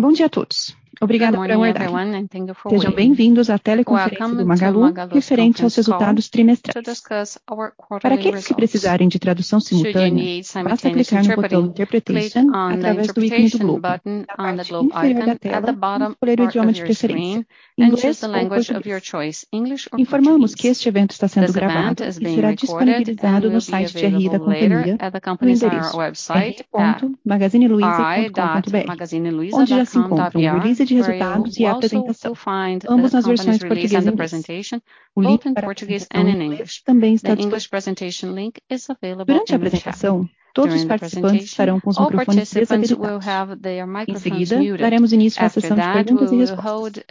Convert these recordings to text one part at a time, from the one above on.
Bom dia a todos. Obrigada por me aguardarem. Sejam bem-vindos à teleconferência do Magalu referente aos resultados trimestrais. Para aqueles que precisarem de tradução simultânea, basta clicar no botão Interpretation através do ícone do globo na parte inferior da tela e escolher o idioma de preferência: inglês ou português. Informamos que este evento está sendo gravado e será disponibilizado no site de RI da companhia no endereço ri.magazineluiza.com.br, onde já se encontram a release de resultados e a apresentação, ambos nas versões portuguesa e inglesa. O link para a apresentação em inglês também está disponível. Durante a apresentação, todos os participantes estarão com os microfones desabilitados. Em seguida, daremos início à sessão de perguntas e respostas.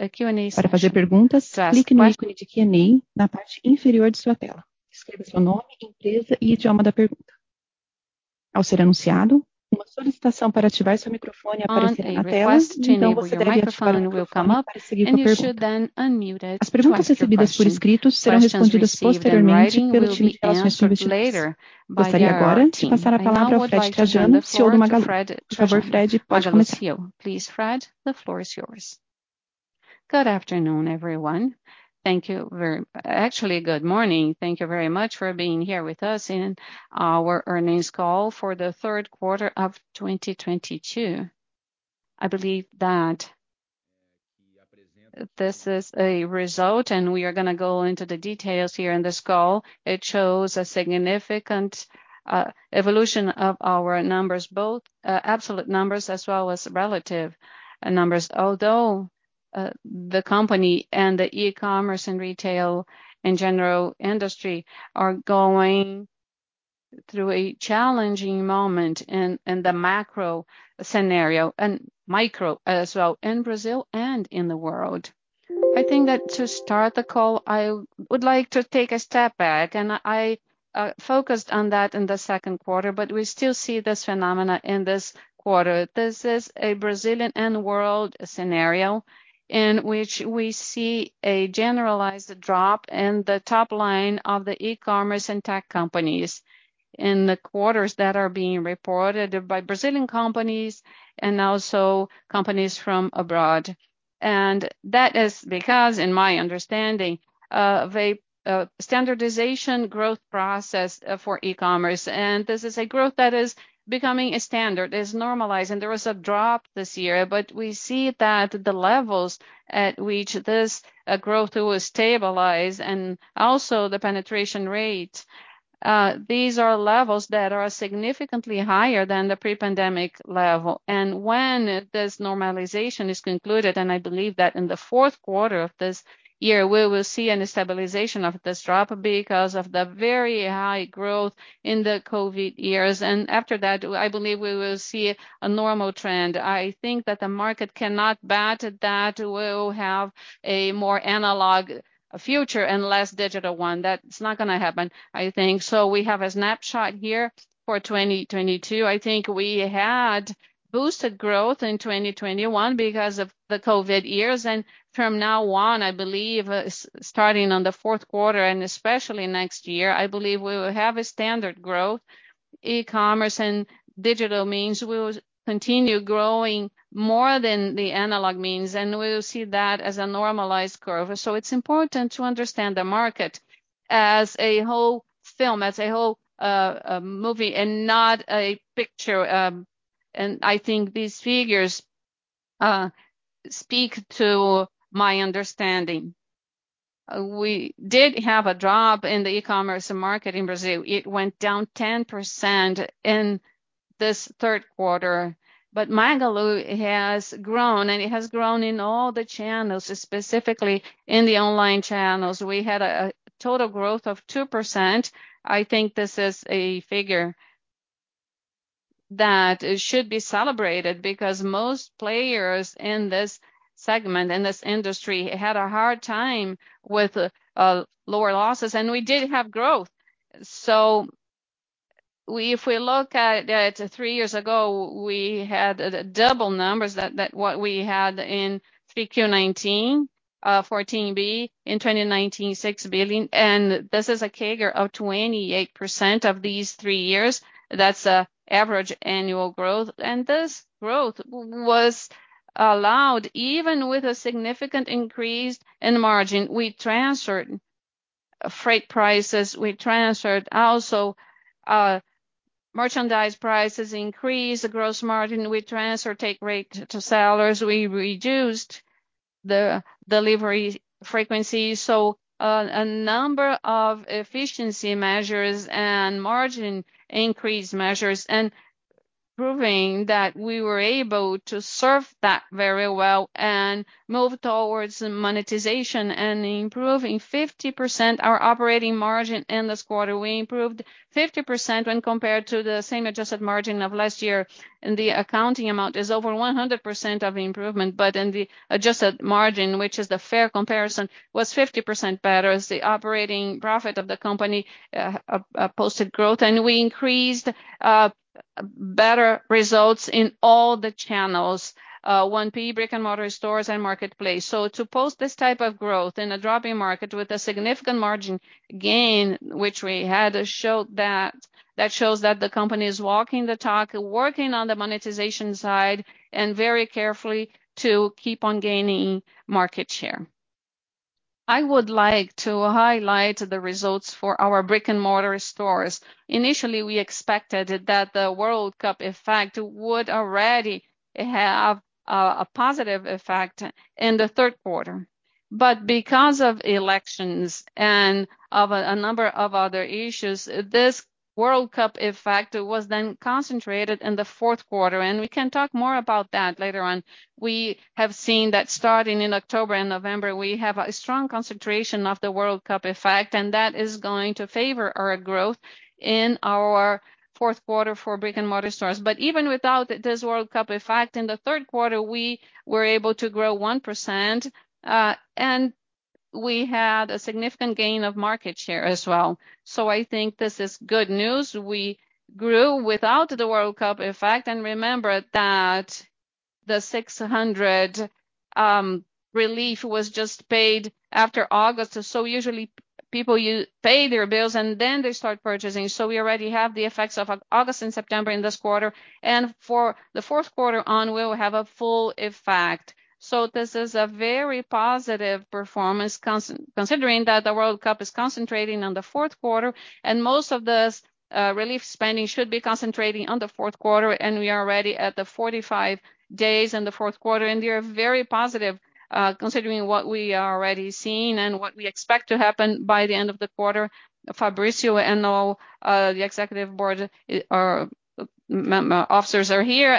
Para fazer perguntas, clique no ícone de Q&A na parte inferior de sua tela. Escreva seu nome, empresa e idioma da pergunta. Ao ser anunciado, uma solicitação para ativar seu microfone aparecerá na tela, então você deve ativá-lo no seu computador para seguir com a pergunta. As perguntas recebidas por escrito serão respondidas posteriormente pelo time de relações com investidores. Gostaria agora de passar a palavra ao Fred Trajano, CEO do Magalu. Por favor, Fred, pode começar. Good afternoon, everyone. Actually, good morning. Thank you very much for being here with us in our earnings call for the third quarter of 2022. I believe that this is a result, and we are gonna go into the details here in this call. It shows a significant evolution of our numbers, both absolute numbers as well as relative numbers. Although the company and the e-commerce and retail in general industry are going through a challenging moment in the macro scenario and micro as well in Brazil and in the world. I think that to start the call, I would like to take a step back and I focused on that in the second quarter, but we still see this phenomena in this quarter. This is a Brazilian and world scenario in which we see a generalized drop in the top line of the e-commerce and tech companies in the quarters that are being reported by Brazilian companies and also companies from abroad. That is because, in my understanding, standardization of growth process for e-commerce, and this is a growth that is becoming a standard, is normalizing. There was a drop this year, but we see that the levels at which this growth will stabilize and also the penetration rates, these are levels that are significantly higher than the pre-pandemic level. When this normalization is concluded, and I believe that in the fourth quarter of this year, we will see a stabilization of this drop because of the very high growth in the COVID years. After that, I believe we will see a normal trend. I think that the market cannot bet that we'll have a more analog future and less digital one. That's not gonna happen, I think. We have a snapshot here for 2022. I think we had boosted growth in 2021 because of the COVID years. From now on, I believe starting on the fourth quarter and especially next year, I believe we will have a standard growth. E-commerce and digital means will continue growing more than the analog means, and we will see that as a normalized curve. It's important to understand the market as a whole film, as a whole, movie and not a picture. I think these figures speak to my understanding. We did have a drop in the e-commerce market in Brazil. It went down 10% in this third quarter. Magalu has grown, and it has grown in all the channels, specifically in the online channels. We had a total growth of 2%. I think this is a figure that should be celebrated because most players in this segment, in this industry had a hard time with lower losses, and we did have growth. If we look at three years ago, we had double numbers to what we had in 3Q 2019, 14 billion, in 2019 6 billion, and this is a CAGR of 28% of these three years. That's an average annual growth. This growth was allowed even with a significant increase in margin. We transferred freight prices. We transferred also merchandise prices. We increased the gross margin. We transferred take rate to sellers. We reduced the delivery frequency. Number of efficiency measures and margin increase measures and proving that we were able to serve that very well and move towards monetization and improving 50% our operating margin in this quarter. We improved 50% when compared to the same adjusted margin of last year, and the accounting amount is over 100% of improvement. In the adjusted margin, which is the fair comparison, was 50% better as the operating profit of the company posted growth. We increased better results in all the channels, 1P, brick-and-mortar stores, and marketplace. To post this type of growth in a dropping market with a significant margin gain, that shows that the company is walking the talk, working on the monetization side and very carefully to keep on gaining market share. I would like to highlight the results for our brick-and-mortar stores. Initially, we expected that the World Cup effect would already have a positive effect in the third quarter. Because of elections and of a number of other issues, this World Cup effect was then concentrated in the fourth quarter, and we can talk more about that later on. We have seen that starting in October and November, we have a strong concentration of the World Cup effect, and that is going to favor our growth in our fourth quarter for brick-and-mortar stores. Even without this World Cup effect, in the third quarter, we were able to grow 1%, and we had a significant gain of market share as well. I think this is good news. We grew without the World Cup effect. Remember that the 600 relief was just paid after August. Usually people pay their bills and then they start purchasing. We already have the effects of August and September in this quarter. For the fourth quarter on, we'll have a full effect. This is a very positive performance considering that the World Cup is concentrating on the fourth quarter, and most of this relief spending should be concentrating on the fourth quarter, and we are already at the 45 days in the fourth quarter. We are very positive, considering what we are already seeing and what we expect to happen by the end of the quarter. Fabricio and all the executive board or officers are here,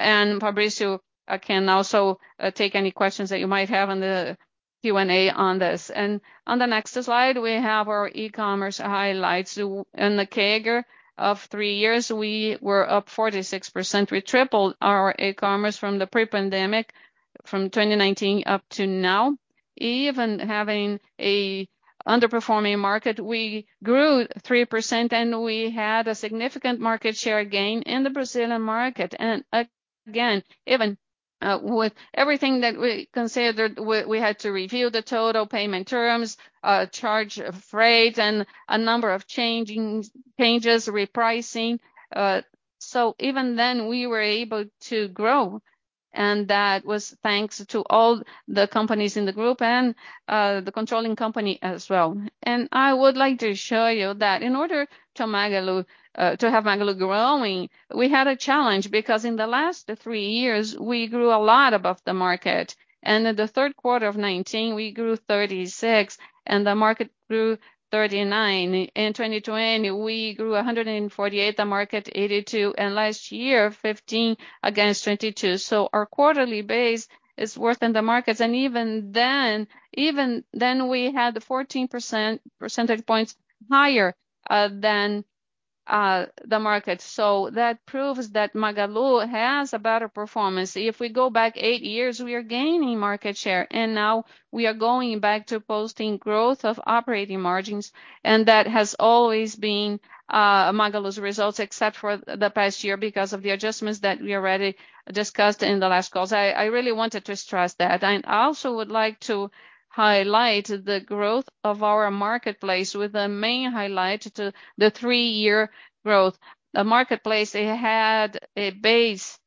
and Fabricio can also take any questions that you might have on the Q&A on this. On the next slide, we have our e-commerce highlights. On the CAGR of three years, we were up 46%. We tripled our e-commerce from the pre-pandemic, from 2019 up to now. Even having an underperforming market, we grew 3% and we had a significant market share gain in the Brazilian market. Even with everything that we considered, we had to review the total payment terms, changes in rates, and a number of changes, repricing. Even then, we were able to grow, and that was thanks to all the companies in the group and the controlling company as well. I would like to show you that in order to have Magalu growing, we had a challenge, because in the last three years, we grew a lot above the market. In the third quarter of 2019, we grew 36%, and the market grew 39%. In 2020, we grew 148%, the market 82%. Last year, 15% against 22%. Our quarterly base is worse than the markets. Even then we had 14 percentage points higher than the market. That proves that Magalu has a better performance. If we go back eight years, we are gaining market share, and now we are going back to posting growth in operating margins. That has always been Magalu's results, except for the past year because of the adjustments that we already discussed in the last calls. I really wanted to stress that. I also would like to highlight the growth of our marketplace with the main highlight to the three-year growth. The marketplace had a base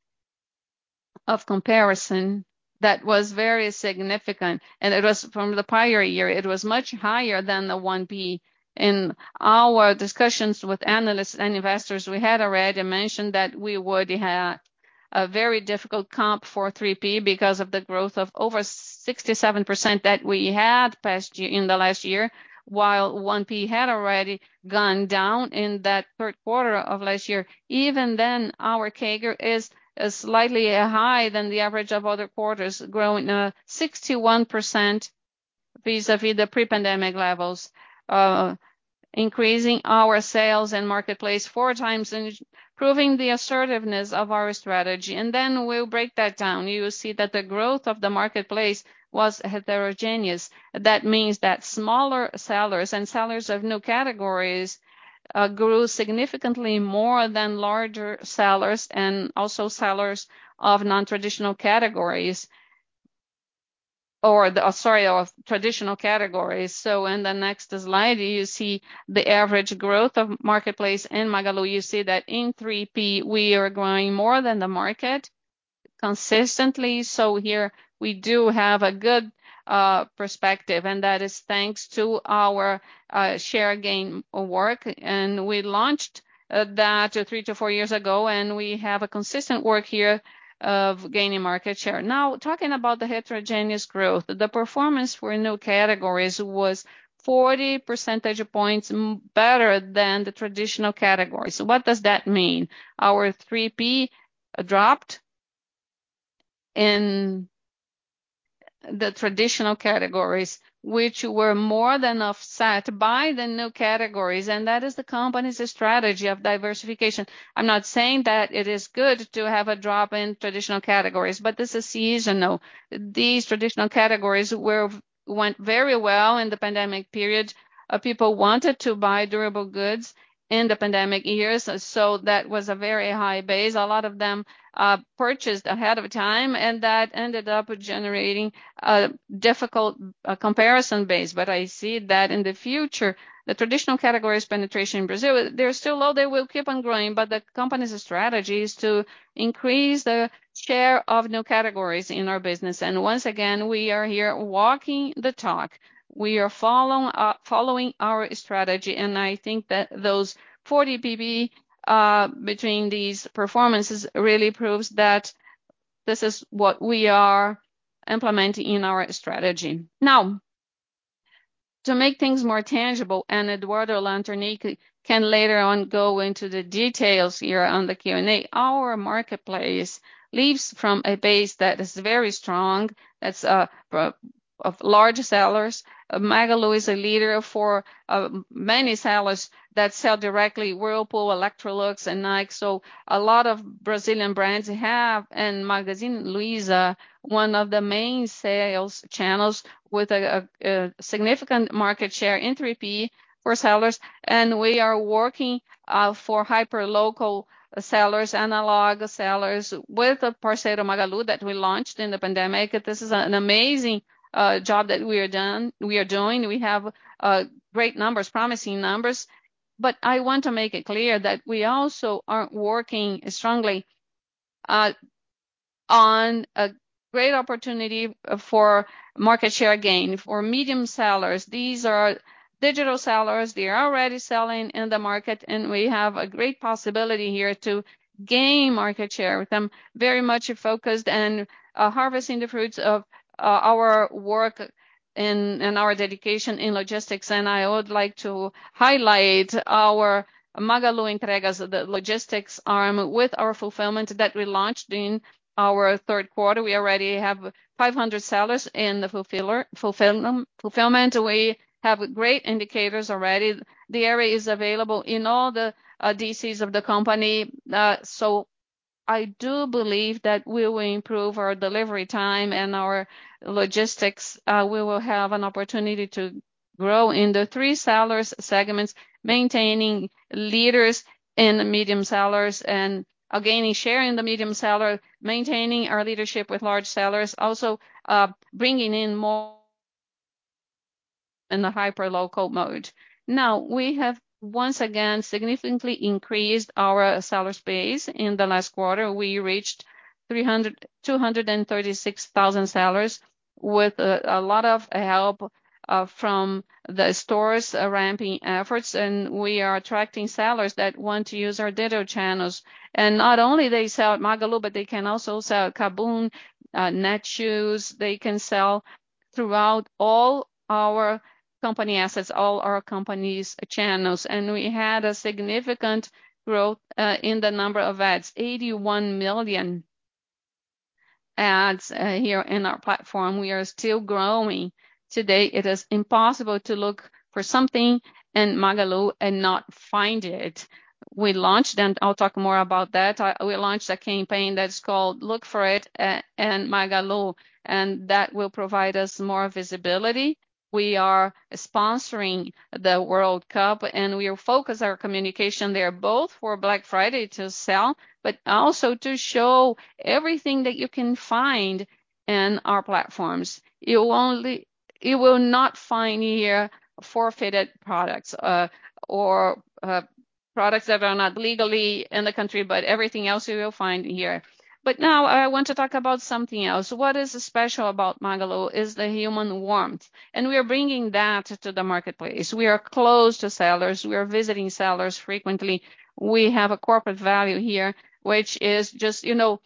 of comparison that was very significant, and it was from the prior year. It was much higher than the 1P. In our discussions with analysts and investors, we had already mentioned that we would have a very difficult comp for 3P because of the growth of over 67% that we had in the last year, while 1P had already gone down in that third quarter of last year. Even then, our CAGR is slightly higher than the average of other quarters, growing 61% vis-à-vis the pre-pandemic levels, increasing our sales and marketplace four times and proving the assertiveness of our strategy. We'll break that down. You will see that the growth of the marketplace was heterogeneous. That means that smaller sellers and sellers of new categories grew significantly more than larger sellers and also sellers of traditional categories. In the next slide, you see the average growth of marketplace in Magalu. You see that in 3P, we are growing more than the market consistently. Here we do have a good perspective, and that is thanks to our share gain work. We launched that 3-4 years ago, and we have a consistent work here of gaining market share. Now, talking about the heterogeneous growth, the performance for new categories was 40 percentage points better than the traditional categories. What does that mean? Our 3P dropped in the traditional categories, which were more than offset by the new categories, and that is the company's strategy of diversification. I'm not saying that it is good to have a drop in traditional categories, but this is seasonal. These traditional categories went very well in the pandemic period. People wanted to buy durable goods in the pandemic years, so that was a very high base. A lot of them purchased ahead of time, and that ended up generating a difficult comparison base. I see that in the future, the traditional categories penetration in Brazil, they're still low, they will keep on growing, but the company's strategy is to increase the share of new categories in our business. Once again, we are here walking the talk. We are following our strategy, and I think that those 40 percentage points between these performances really proves that this is what we are implementing in our strategy. Now, to make things more tangible, and Eduardo Galanternick can later on go into the details here on the Q&A, our marketplacerelies on a base that is very strong, that's base of large sellers. Magalu is a leader for many sellers that sell directly, Whirlpool, Electrolux, and Nike. A lot of Brazilian brands have, and Magazine Luiza, one of the main sales channels with a significant market share in 3P for sellers. We are working for hyperlocal sellers, analog sellers with the Parceiro Magalu that we launched in the pandemic. This is an amazing job that we are doing. We have great numbers, promising numbers. I want to make it clear that we also are working strongly on a great opportunity for market share gain for medium sellers. These are digital sellers. They are already selling in the market, and we have a great possibility here to gain market share with them. Very much focused and harvesting the fruits of our work and our dedication in logistics. I would like to highlight our Magalu Entregas, the logistics arm with our fulfillment that we launched in our third quarter. We already have 500 sellers in the fulfillment. We have great indicators already. The area is available in all the DCs of the company. I do believe that we will improve our delivery time and our logistics. We will have an opportunity to grow in the three seller segments, maintaining leadership in the medium sellers and gaining share in the medium sellers, maintaining our leadership with large sellers. Bringing in more in the hyperlocal mode. Now, we have once again significantly increased our seller space. In the last quarter, we reached 236,000 sellers with a lot of help from the stores' ramping efforts. We are attracting sellers that want to use our digital channels. Not only they sell at Magalu, but they can also sell at KaBuM!, Netshoes. They can sell throughout all our company assets, all our company's channels. We had a significant growth in the number of ads. 81 million ads here in our platform. We are still growing. Today, it is impossible to look for something in Magalu and not find it. We launched, and I'll talk more about that. We launched a campaign that's called Look For It in Magalu, and that will provide us more visibility. We are sponsoring the World Cup, and we focus our communication there both for Black Friday to sell, but also to show everything that you can find in our platforms. You will not find here counterfeit products, or products that are not legally in the country, but everything else you will find here. Now I want to talk about something else. What is special about Magalu is the human warmth, and we are bringing that to the marketplace. We are close to sellers. We are visiting sellers frequently. We have a corporate value here, which is just, you know,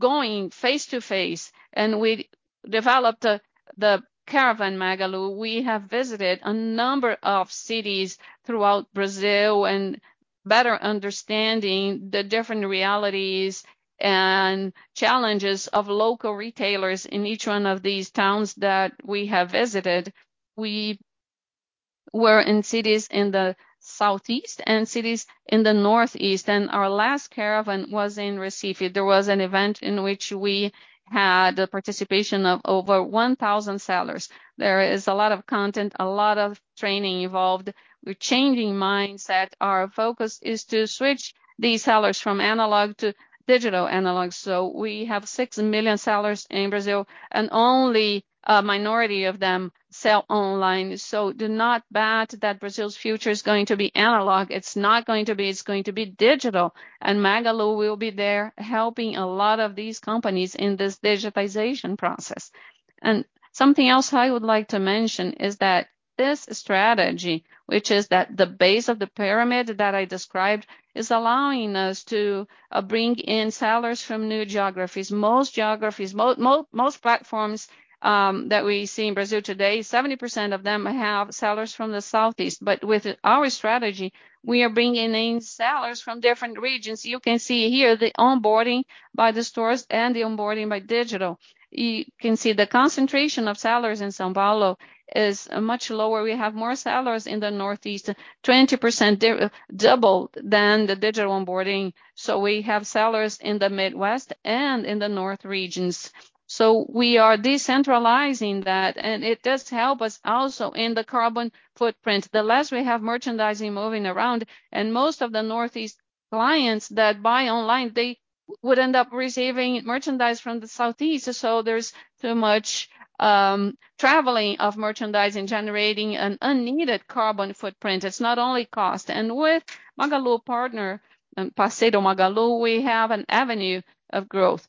going face-to-face. We developed the Caravana Magalu. We have visited a number of cities throughout Brazil and better understanding the different realities and challenges of local retailers in each one of these towns that we have visited. We were in cities in the southeast and cities in the northeast, and our last Caravana was in Recife. There was an event in which we had the participation of over 1,000 sellers. There is a lot of content, a lot of training involved. We're changing mindset. Our focus is to switch these sellers from analog to digital. We have 6 million sellers in Brazil, and only a minority of them sell online. Do not bet that Brazil's future is going to be analog. It's not going to be. It's going to be digital. Magalu will be there helping a lot of these companies in this digitization process. Something else I would like to mention is that this strategy, which is that the base of the pyramid that I described, is allowing us to bring in sellers from new geographies. Most geographies, most platforms that we see in Brazil today, 70% of them have sellers from the southeast. With our strategy, we are bringing in sellers from different regions. You can see here the onboarding by the stores and the onboarding by digital. You can see the concentration of sellers in São Paulo is much lower. We have more sellers in the Northeast, 20% double than the digital onboarding. We have sellers in the Midwest and in the North regions. We are decentralizing that, and it does help us also in the carbon footprint. The less we have merchandising moving around, and most of the Northeast clients that buy online, they would end up receiving merchandise from the Southeast. There's too much traveling of merchandise and generating an unneeded carbon footprint. It's not only cost. With Magalu partner, Parceiro Magalu, we have an avenue of growth.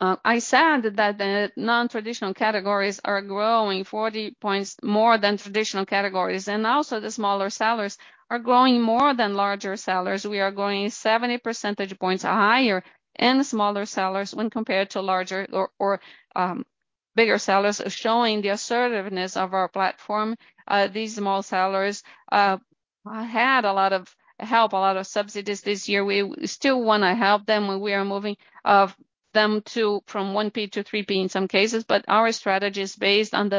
I said that the non-traditional categories are growing 40 points more than traditional categories. The smaller sellers are growing more than larger sellers. We are growing 70 percentage points higher in smaller sellers when compared to larger or bigger sellers, showing the assertiveness of our platform. These small sellers had a lot of help, a lot of subsidies this year. We still wanna help them. We are moving them from 1P to 3P in some cases. Our strategy is based on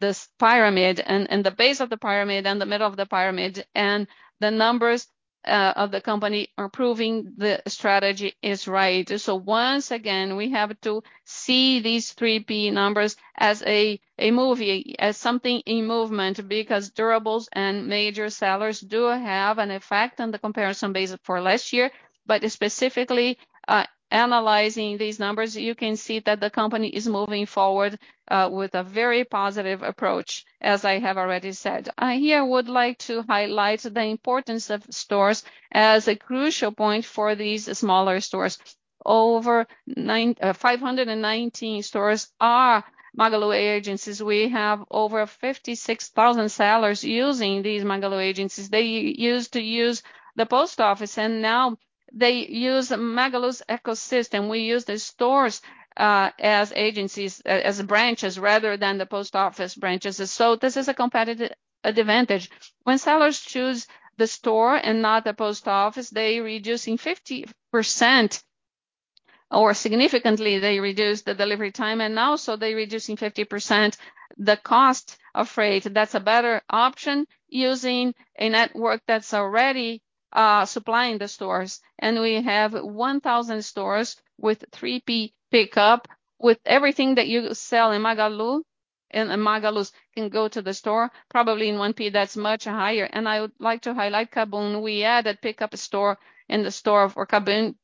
this pyramid and the base of the pyramid and the middle of the pyramid, and the numbers of the company are proving the strategy is right. Once again, we have to see these 3P numbers as a movie, as something in movement because durables and major sellers do have an effect on the comparison basis for last year. Specifically, analyzing these numbers, you can see that the company is moving forward with a very positive approach, as I have already said. I here would like to highlight the importance of stores as a crucial point for these smaller stores. Over 519 stores are Magalu agencies. We have over 56,000 sellers using these Magalu agencies. They used to use the post office, and now they use Magalu's ecosystem. We use the stores as agencies, as branches rather than the post office branches. This is a competitive advantage. When sellers choose the store and not the post office, they're reducing 50% or significantly they reduce the delivery time, and now so they're reducing 50% the cost of freight. That's a better option using a network that's already supplying the stores. We have 1,000 stores with 3P pickup. With everything that you sell in Magalu, it can go to the store, probably in 1P that's much higher. I would like to highlight KaBuM!. We added pickup store in the store for KaBuM!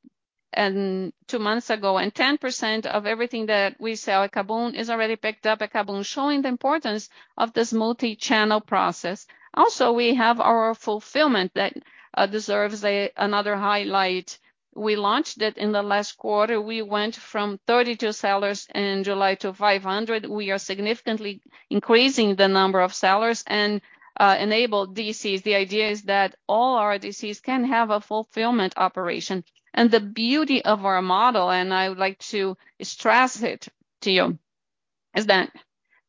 two months ago. 10% of everything that we sell at KaBuM! is already picked up at KaBuM!, showing the importance of this multi-channel process. Also, we have our fulfillment that deserves another highlight. We launched it in the last quarter. We went from 32 sellers in July to 500. We are significantly increasing the number of sellers and enable DCs. The idea is that all our DCs can have a fulfillment operation. The beauty of our model, and I would like to stress it to you, is that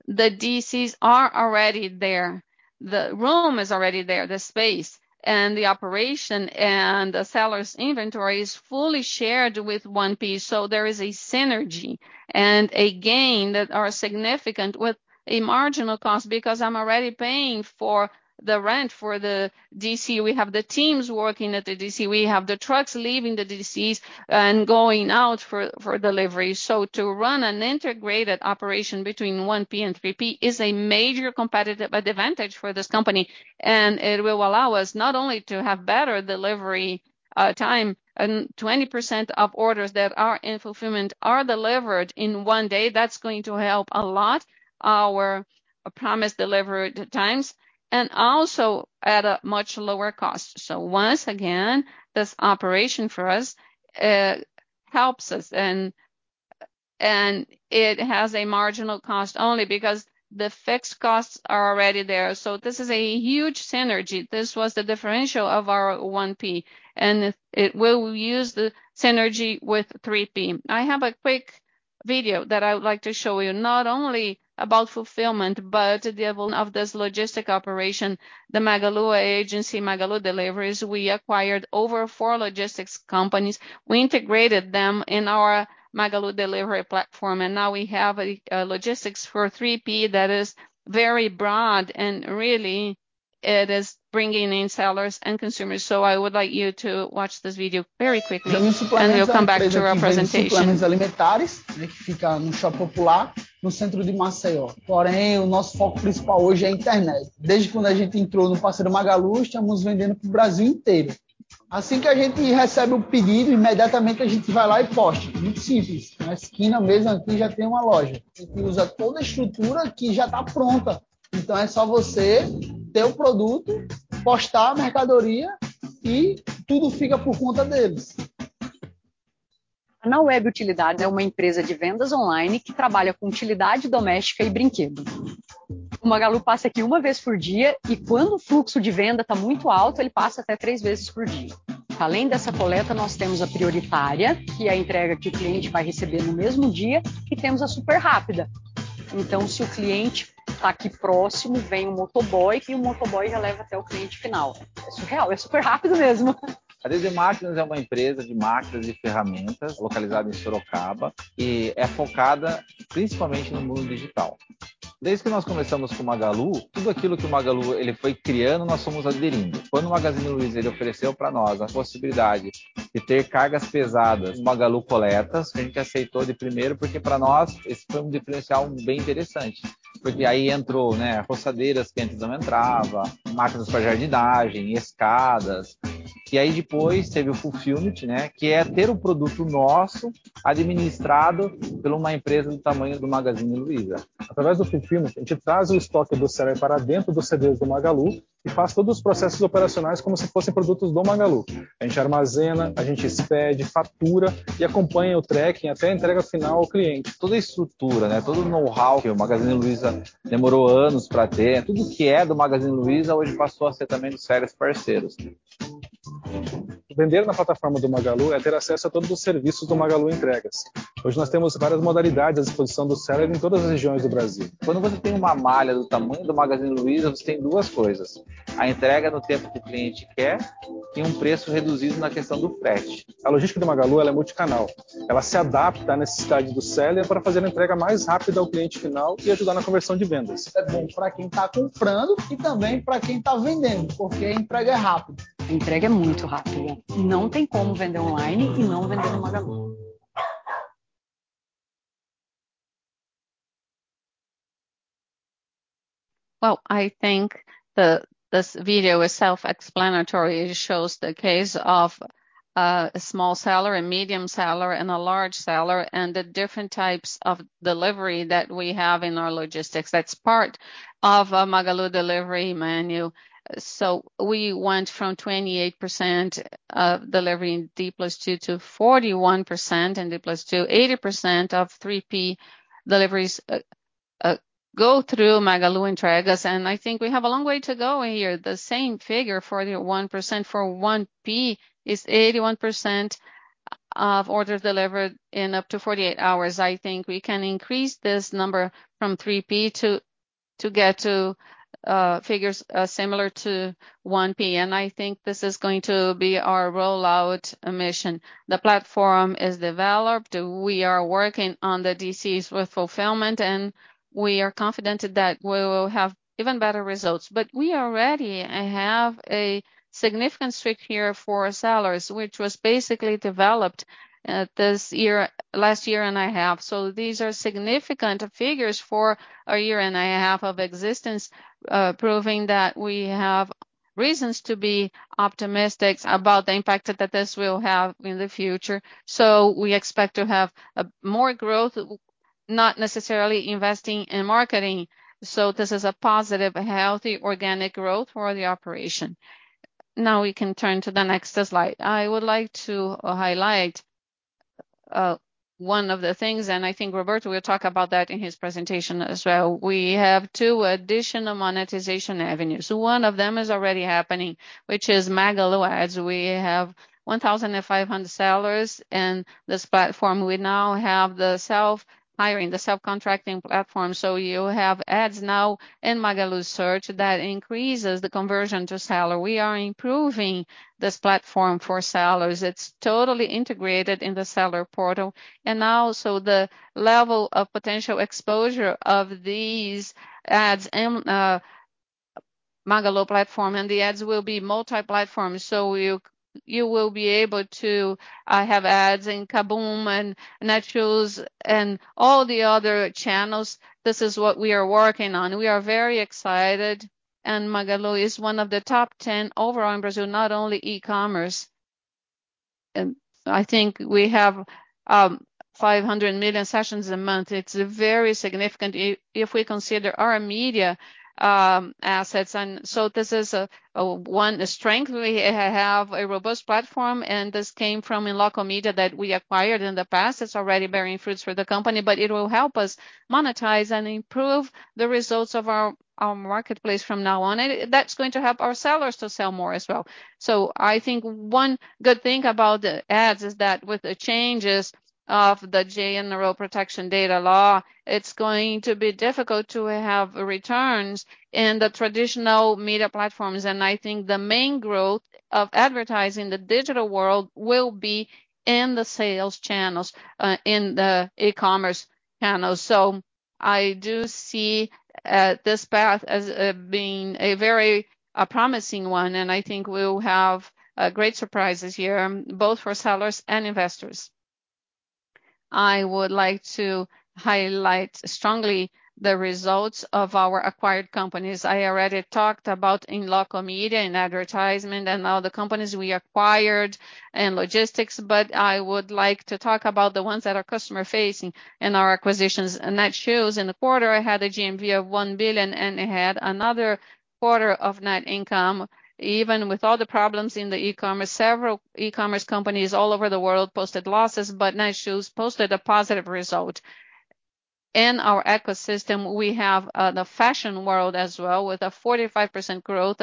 the DCs are already there. The room is already there, the space, and the operation, and the seller's inventory is fully shared with 1P. There is a synergy and a gain that are significant with a marginal cost because I'm already paying for the rent for the DC. We have the teams working at the DC. We have the trucks leaving the DCs and going out for delivery. To run an integrated operation between 1P and 3P is a major competitive advantage for this company, and it will allow us not only to have better delivery time, and 20% of orders that are in fulfillment are delivered in one day. That's going to help a lot our promised delivery times and also at a much lower cost. Once again, this operation for us helps us and it has a marginal cost only because the fixed costs are already there. This is a huge synergy. This was the differential of our 1P, and it will use the synergy with 3P. I have a quick video that I would like to show you, not only about fulfillment, but the evolution of this logistic operation, the Agência Magalu Entregas. We acquired over four logistics companies. We integrated them in our Magalu Entregas platform, and now we have a logistics for 3P that is very broad and really it is bringing in sellers and consumers. I would like you to watch this video very quickly, and we'll come back to presentation. Well, I think this video is self-explanatory. It shows the case of a small seller, a medium seller, and a large seller, and the different types of delivery that we have in our logistics. That's part of Magalu delivery menu. We went from 28% of deliveries in D+2 to 41% in D+2. 80% of 3P deliveries go through Magalu Entregas, and I think we have a long way to go here. The same figure, 41% for 1P is 81% of orders delivered in up to 48 hours. I think we can increase this number from 3P to get to figures similar to 1P, and I think this is going to be our rollout mission. The platform is developed. We are working on the DCs with fulfillment, and we are confident that we will have even better results. We already have a significant traction here for sellers, which was basically developed last year and a half. These are significant figures for a year and a half of existence, proving that we have reasons to be optimistic about the impact that this will have in the future. We expect to have more growth, not necessarily investing in marketing. This is a positive, healthy, organic growth for the operation. Now we can turn to the next slide. I would like to highlight one of the things, and I think Roberto will talk about that in his presentation as well. We have two additional monetization avenues. One of them is already happening, which is Magalu Ads. We have 1,500 sellers in this platform. We now have the self-service, the self-service platform. You have ads now in Magalu search that increases the conversion for seller. We are improving this platform for sellers. It's totally integrated in the seller portal. The level of potential exposure of these ads in Magalu platform, and the ads will be multi-platform. You will be able to have ads in KaBuM! and Netshoes and all the other channels. This is what we are working on. We are very excited, and Magalu is one of the top 10 overall in Brazil, not only e-commerce. I think we have 500 million sessions a month. It's very significant if we consider our media assets. This is one strength. We have a robust platform, and this came from Inloco Media that we acquired in the past. It's already bearing fruits for the company, but it will help us monetize and improve the results of our marketplace from now on. That's going to help our sellers to sell more as well. I think one good thing about the ads is that with the changes of the General Data Protection Law, it's going to be difficult to have returns in the traditional media platforms. I think the main growth of advertising in the digital world will be in the sales channels, in the e-commerce channels. I do see this path as being a very promising one, and I think we'll have great surprises here, both for sellers and investors. I would like to highlight strongly the results of our acquired companies. I already talked about Inloco Media, in advertisement, and all the companies we acquired in logistics, but I would like to talk about the ones that are customer-facing in our acquisitions. Netshoes in the quarter had a GMV of 1 billion and had another quarter of net income, even with all the problems in the e-commerce. Several e-commerce companies all over the world posted losses, but Netshoes posted a positive result. In our ecosystem, we have the fashion world as well with a 45% growth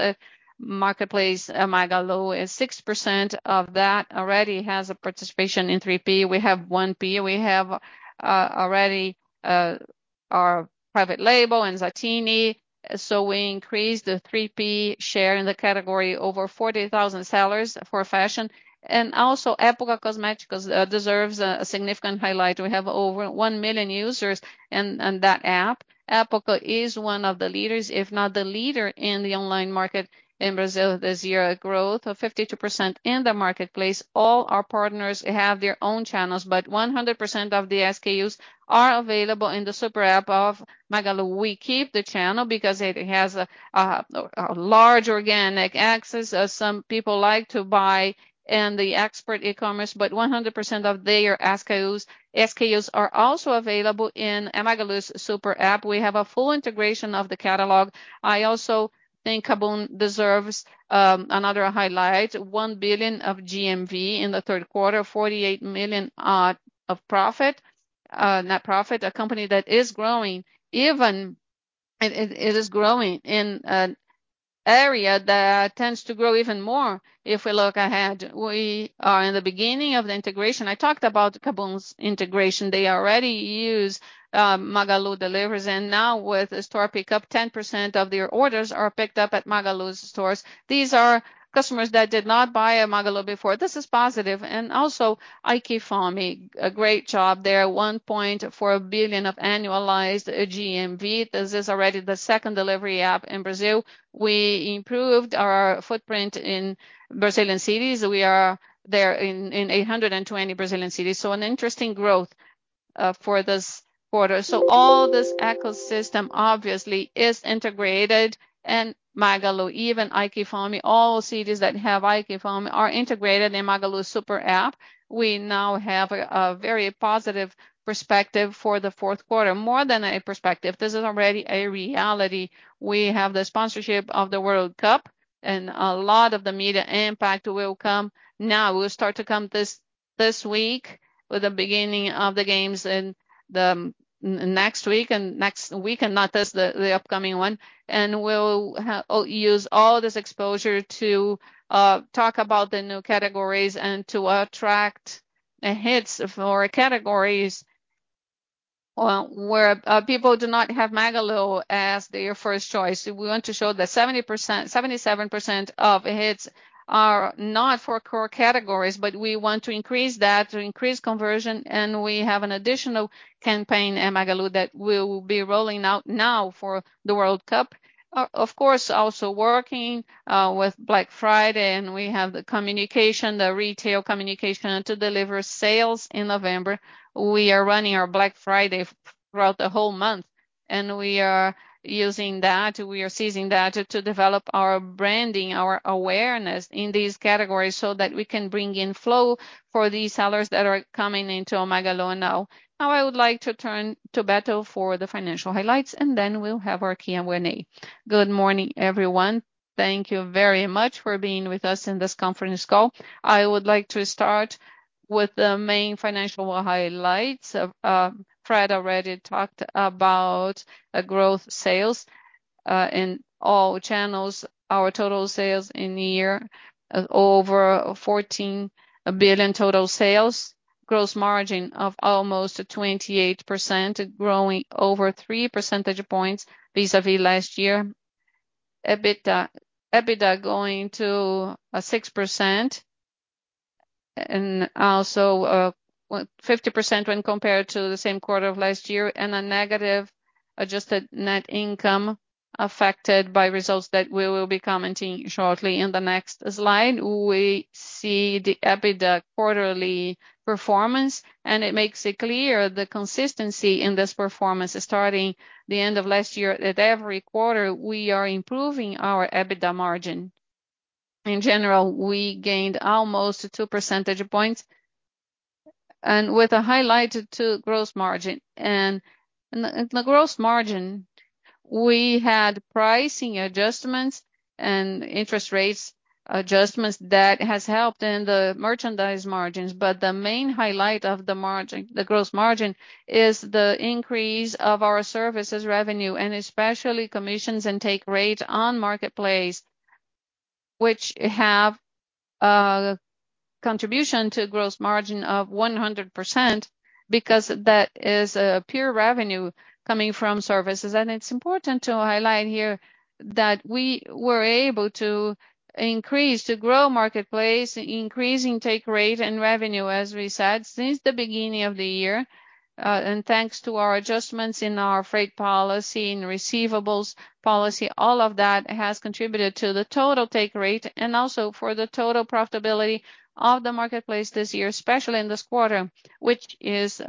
marketplace. Magalu is 6% of that already has a participation in 3P. We have 1P. We have already our private label in Zattini, so we increased the 3P share in the category over 40,000 sellers for fashion. Also Época Cosméticos deserves a significant highlight. We have over 1 million users in that app. Época is one of the leaders, if not the leader, in the online market in Brazil this year, a growth of 52% in the marketplace. All our partners have their own channels, but 100% of the SKUs are available in the super app of Magalu. We keep the channel because it has a large organic access as some people like to buy in the Época e-commerce, but 100% of their SKUs are also available in Magalu's super app. We have a full integration of the catalog. I also think KaBuM! deserves another highlight. 1 billion of GMV in the third quarter, 48 million of net profit. A company that is growing in an area that tends to grow even more. If we look ahead, we are in the beginning of the integration. I talked about KaBuM!'s integration. They already use Magalu deliveries, and now with store pickup, 10% of their orders are picked up at Magalu's stores. These are customers that did not buy at Magalu before. This is positive. iFood made a great job there. 1.4 billion of annualized GMV. This is already the second delivery app in Brazil. We improved our footprint in Brazilian cities. We are there in 820 Brazilian cities. An interesting growth for this quarter. All this ecosystem obviously is integrated, and Magalu, even iFood, all cities that have iFood are integrated in Magalu super app. We now have a very positive perspective for the fourth quarter. More than a perspective, this is already a reality. We have the sponsorship of the World Cup, and a lot of the media impact will come. Now, will start to come this week, with the beginning of the games and next week, and not just the upcoming one. We'll use all this exposure to talk about the new categories and to attract hits for categories where people do not have Magalu as their first choice. We want to show that 77% of hits are not for core categories, but we want to increase that, to increase conversion, and we have an additional campaign in Magalu that we will be rolling out now for the World Cup. Of course, also working with Black Friday, and we have the communication, the retail communication to deliver sales in November. We are running our Black Friday throughout the whole month, and we are using that, we are seizing that to develop our branding, our awareness in these categories so that we can bring in flow for these sellers that are coming into Magalu now. Now, I would like to turn to Beto for the financial highlights, and then we'll have our Q&A. Good morning, everyone. Thank you very much for being with us in this conference call. I would like to start with the main financial highlights. Fred already talked about growth sales in all channels. Our total sales in the year are over 14 billion. Gross margin of almost 28%, growing over 3 percentage points vis-à-vis last year. EBITDA margin going to 6% and also a 50% improvement when compared to the same quarter of last year, and a negative adjusted net income affected by results that we will be commenting shortly in the next slide. We see the EBITDA quarterly performance, and it makes it clear the consistency in this performance starting from the end of last year, that every quarter, we are improving our EBITDA margin. In general, we gained almost two percentage points, and with a highlight to gross margin. The gross margin, we had pricing adjustments and interest rates adjustments that has helped in the merchandise margins, but the main highlight of the margin, the gross margin, is the increase of our services revenue, and especially commissions and take rates on Marketplace, which have contribution to gross margin of 100% because that is pure revenue coming from services. It's important to highlight here that we were able to increase, to grow Marketplace, increase take rate and revenue, as we said, since the beginning of the year. Thanks to our adjustments in our freight policy, in receivables policy, all of that has contributed to the total take rate and also for the total profitability of the Marketplace this year, especially in this quarter, which is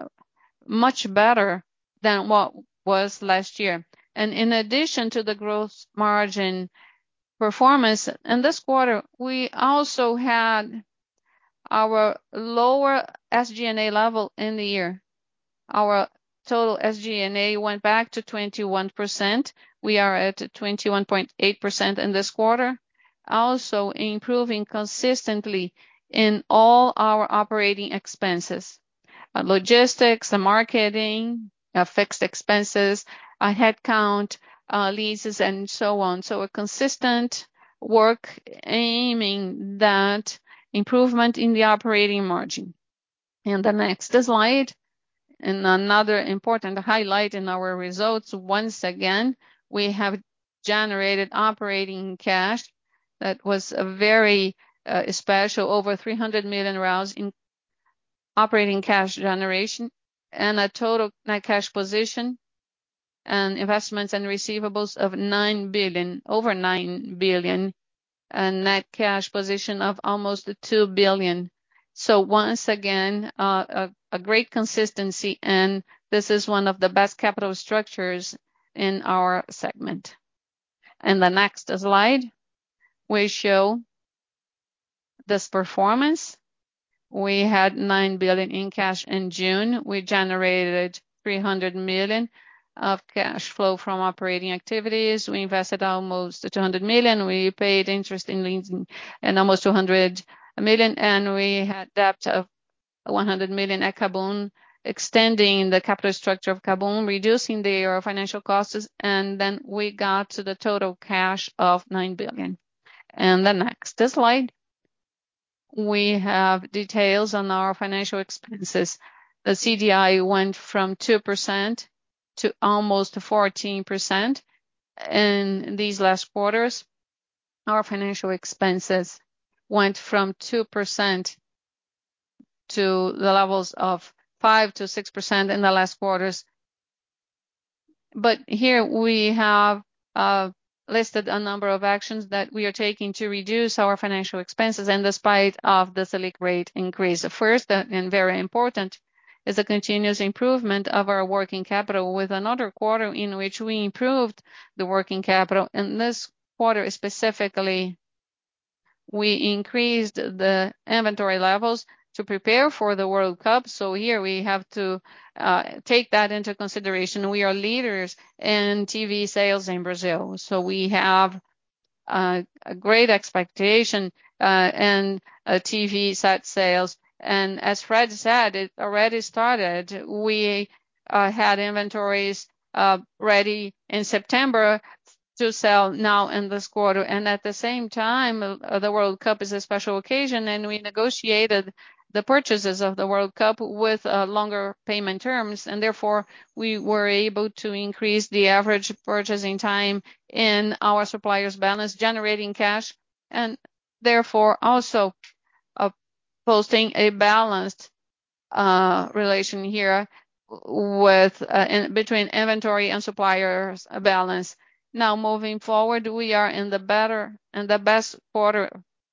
much better than what was last year. In addition to the gross margin performance, in this quarter, we also had our lowest SG&A level in the year. Our total SG&A went back to 21%. We are at 21.8% in this quarter. Also improving consistently in all our operating expenses, logistics, marketing, fixed expenses, headcount, leases and so on. A consistent work aiming that improvement in the operating margin. In the next slide, another important highlight in our results, once again, we have generated operating cash. That was a very special over 300 million in operating cash generation and a total net cash position and investments and receivables of 9 billion, over 9 billion, and net cash position of almost 2 billion. Once again, a great consistency, and this is one of the best capital structures in our segment. In the next slide, we show this performance. We had 9 billion in cash in June. We generated 300 million of cash flow from operating activities. We invested almost 200 million. We paid interest and leases and almost 200 million, and we had debt of 100 million at KaBuM!, extending the capital structure of KaBuM!, reducing their financial costs, and then we got to the total cash of 9 billion. The next slide. We have details on our financial expenses. The CDI went from 2% to almost 14% in these last quarters. Our financial expenses went from 2% to the levels of 5%-6% in the last quarters. Here we have listed a number of actions that we are taking to reduce our financial expenses, and despite of the Selic rate increase. The first and very important is the continuous improvement of our working capital with another quarter in which we improved the working capital, and this quarter specifically, we increased the inventory levels to prepare for the World Cup. Here we have to take that into consideration. We are leaders in TV sales in Brazil, so we have a great expectation in TV set sales. As Fred said, it already started. We had inventories ready in September to sell now in this quarter. At the same time, the World Cup is a special occasion, and we negotiated the purchases of the World Cup with longer payment terms, and therefore we were able to increase the average purchasing time in our suppliers' balance, generating cash and therefore also posting a balanced relation here with between inventory and suppliers balance. Now, moving forward, we are in the best quarter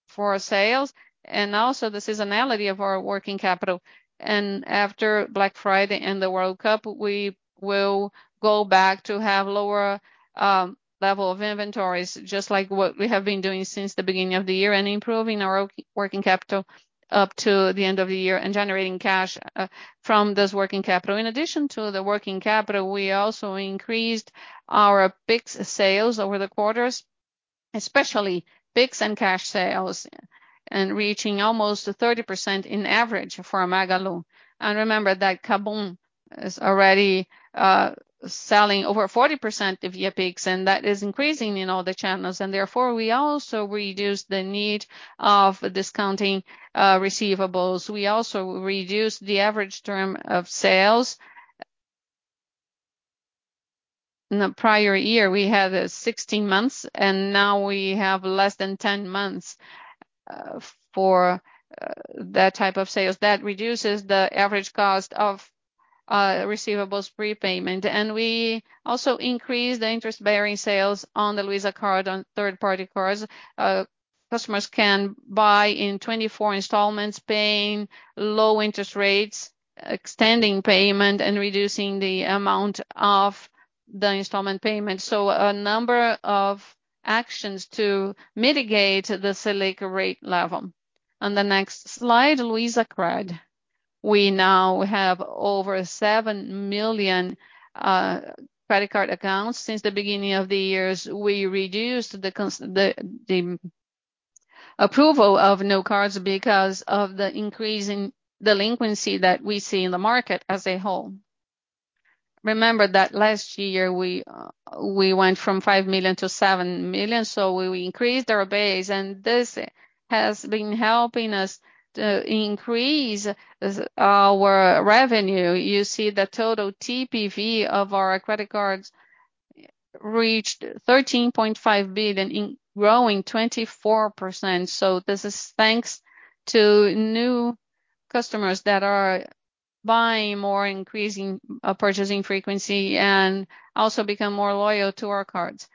for sales, and also the seasonality of our working capital. After Black Friday and the World Cup, we will go back to have lower level of inventories, just like what we have been doing since the beginning of the year, and improving our working capital up to the end of the year and generating cash from this working capital. In addition to the working capital, we also increased our Pix sales over the quarters, especially Pix and cash sales, and reaching almost 30% in average for Magalu. Remember that KaBuM! is already selling over 40% via Pix, and that is increasing in all the channels, and therefore we also reduce the need of discounting receivables. We also reduce the average term of sales. In the prior year, we had 16 months, and now we have less than 10 months for that type of sales. That reduces the average cost of receivables prepayment. We also increased the interest-bearing sales on the Luiza Card. On third-party cards, customers can buy in 24-month installments, paying low interest rates, extending payment, and reducing the amount of the installment payment. A number of actions to mitigate the Selic rate level. On the next slide, Luizacred. We now have over 7 million credit card accounts. Since the beginning of the year, we reduced the approval of new cards because of the increase in delinquency that we see in the market as a whole. Remember that last year we went from 5 million to 7 million credit card accounts, so we increased our base and this has been helping us to increase our revenue. You see the total TPV of our credit cards reached 13.5 billion growing 24%. This is thanks to new customers that are buying more, increasing purchasing frequency and also become more loyal to our cards.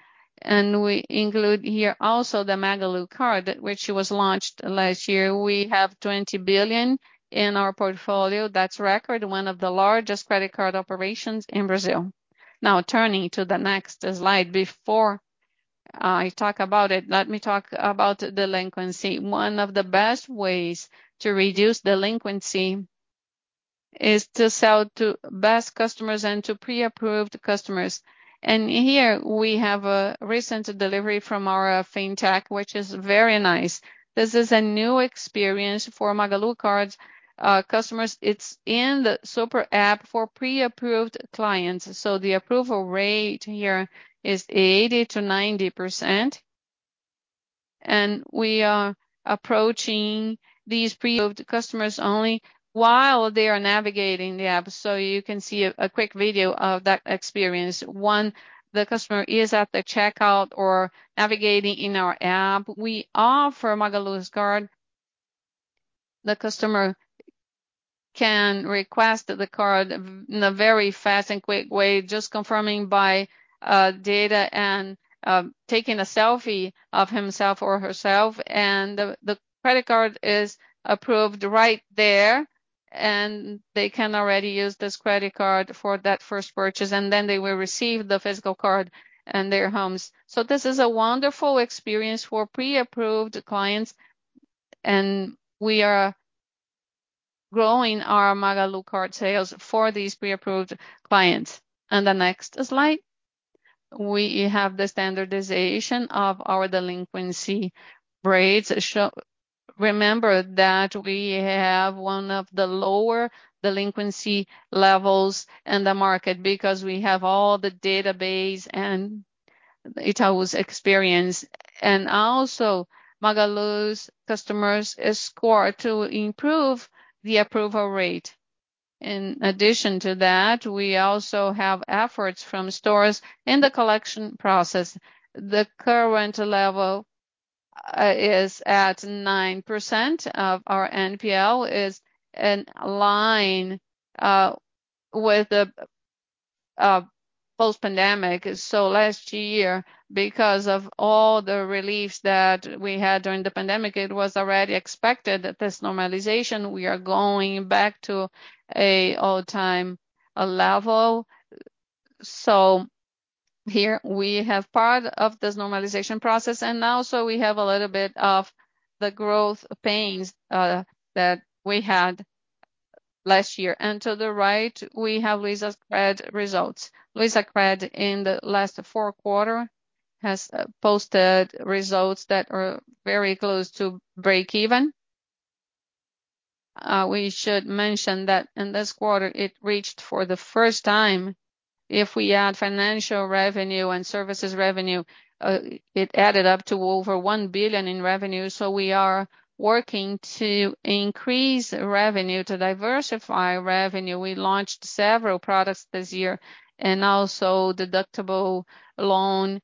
We include here also the Magalu Card, which was launched last year. We have 20 billion in our portfolio. That's record. One of the largest credit card operations in Brazil. Now turning to the next slide. Before I talk about it, let me talk about delinquency. One of the best ways to reduce delinquency is to sell to our best customers and to pre-approved customers. Here we have a recent delivery from our Fintech, which is very nice. This is a new experience for Magalu Cards customers. It's in the super app for pre-approved clients. The approval rate here is 80%-90%, and we are approaching these pre-approved customers only while they are navigating the app. You can see a quick video of that experience. One, the customer is at the checkout or navigating in our app. We offer Magalu's card. The customer can request the card in a very fast and quick way, just confirming by data and taking a selfie of himself or herself. The credit card is approved right there, and they can already use this credit card for that first purchase, and then they will receive the physical card in their homes. This is a wonderful experience for pre-approved clients, and we are growing our Magalu Card sales for these pre-approved clients. The next slide. We have the standardization of our delinquency rates. Remember that we have one of the lower delinquency levels in the market because we have all the database and Itaú's experience, and also Magalu's customers score to improve the approval rate. In addition to that, we also have efforts from stores in the collection process. The current level is at 9% of our NPL, which is in line with the post-pandemic. Last year, because of all the reliefs that we had during the pandemic, it was already expected that this normalization, we are going back to an all-time level. Here we have part of this normalization process, and now we have a little bit of the growth pains that we had last year. To the right, we have Luizacred results. Luizacred in the last four quarters has posted results that are very close to breakeven. We should mention that in this quarter it reached for the first time, if we add financial revenue and services revenue, it added up to over 1 billion in revenue. We are working to increase revenue, to diversify revenue. We launched several products this year and also digital loan.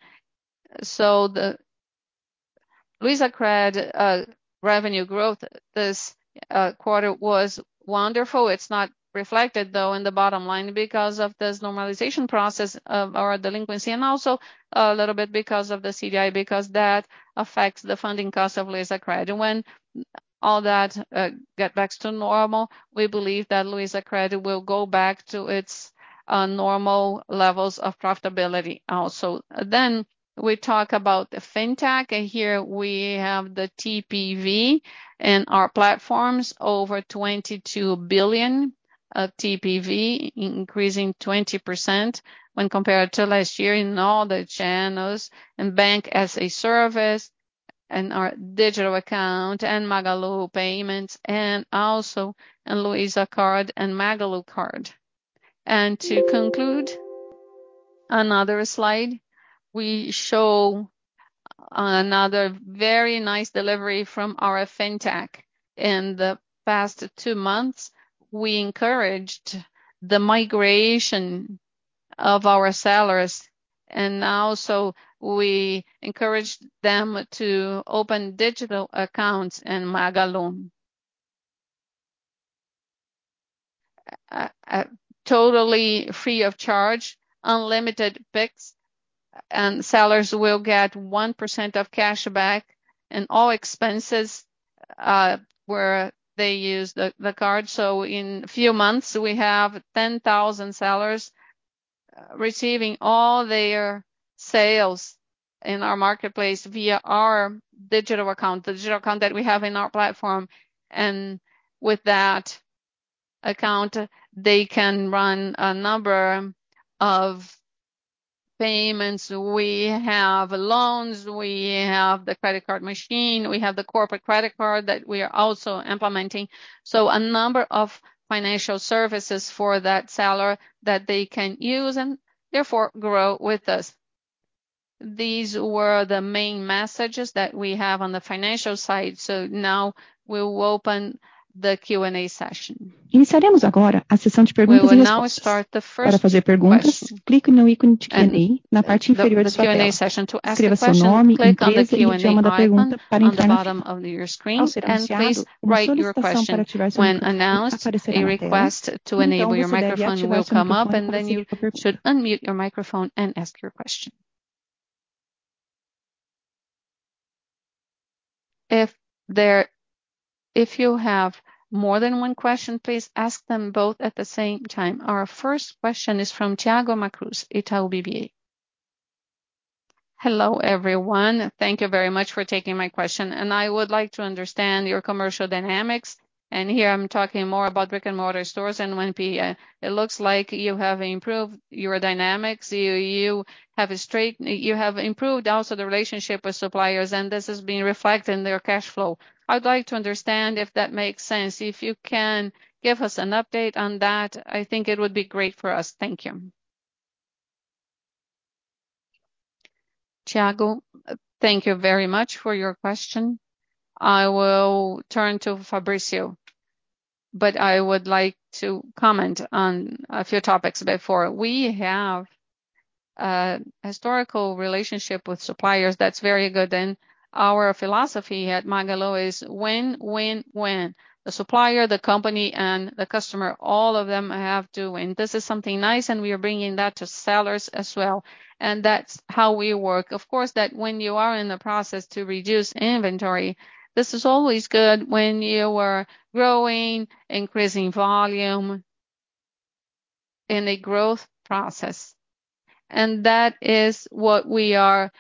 The Luizacred revenue growth this quarter was wonderful. It's not reflected though in the bottom line because of this normalization process of our delinquency and also a little bit because of the CDI, because that affects the funding cost of Luizacred. When all that get back to normal, we believe that Luizacred will go back to its normal levels of profitability also. We talk about the fintech. Here we have the TPV in our platforms, over 22 billion of TPV increasing 20% when compared to last year in all the channels and bank-as-a-service and our digital account and MagaluPay and also in Luiza Card and Magalu Card. To conclude another slide, we show another very nice delivery from our fintech. In the past two months, we encouraged the migration of our sellers, and now we encouraged them to open digital accounts in Magalu. Totally free of charge, unlimited Pix and sellers will get 1% cashback in all expenses where they use the card. In a few months, we have 10,000 sellers receiving all their sales in our marketplace via our digital account, the digital account that we have in our platform. With that account, they can run a number of payments. We have loans, we have the credit card machine, we have the corporate credit card that we are also implementing. A number of financial services for that seller that they can use and therefore grow with us. These were the main messages that we have on the financial side. Now we'll open the Q&A session. We will now start the first question of the Q&A session. To ask a question, click on the Q&A icon on the bottom of your screen and please write your question. When announced, a request to enable your microphone will come up, and then you should unmute your microphone and ask your question. If you have more than one question, please ask them both at the same time. Our first question is from Thiago Macruz, Itaú BBA. Hello, everyone. Thank you very much for taking my question. I would like to understand your commercial dynamics. Here I'm talking more about brick-and-mortar stores and 1P. It looks like you have improved your dynamics. You have improved also the relationship with suppliers, and this has been reflected in their cash flow. I would like to understand if that makes sense. If you can give us an update on that, I think it would be great for us. Thank you. Thiago, thank you very much for your question. I will turn to Fabricio, but I would like to comment on a few topics before. We have a historical relationship with suppliers that's very good, and our philosophy at Magalu is win-win-win. The supplier, the company, and the customer, all of them have to win. This is something nice, and we are bringing that to sellers as well. That's how we work. Of course, that's when you are in the process to reduce inventory, this is always good when you are growing, increasing volume in a growth process. That is what we are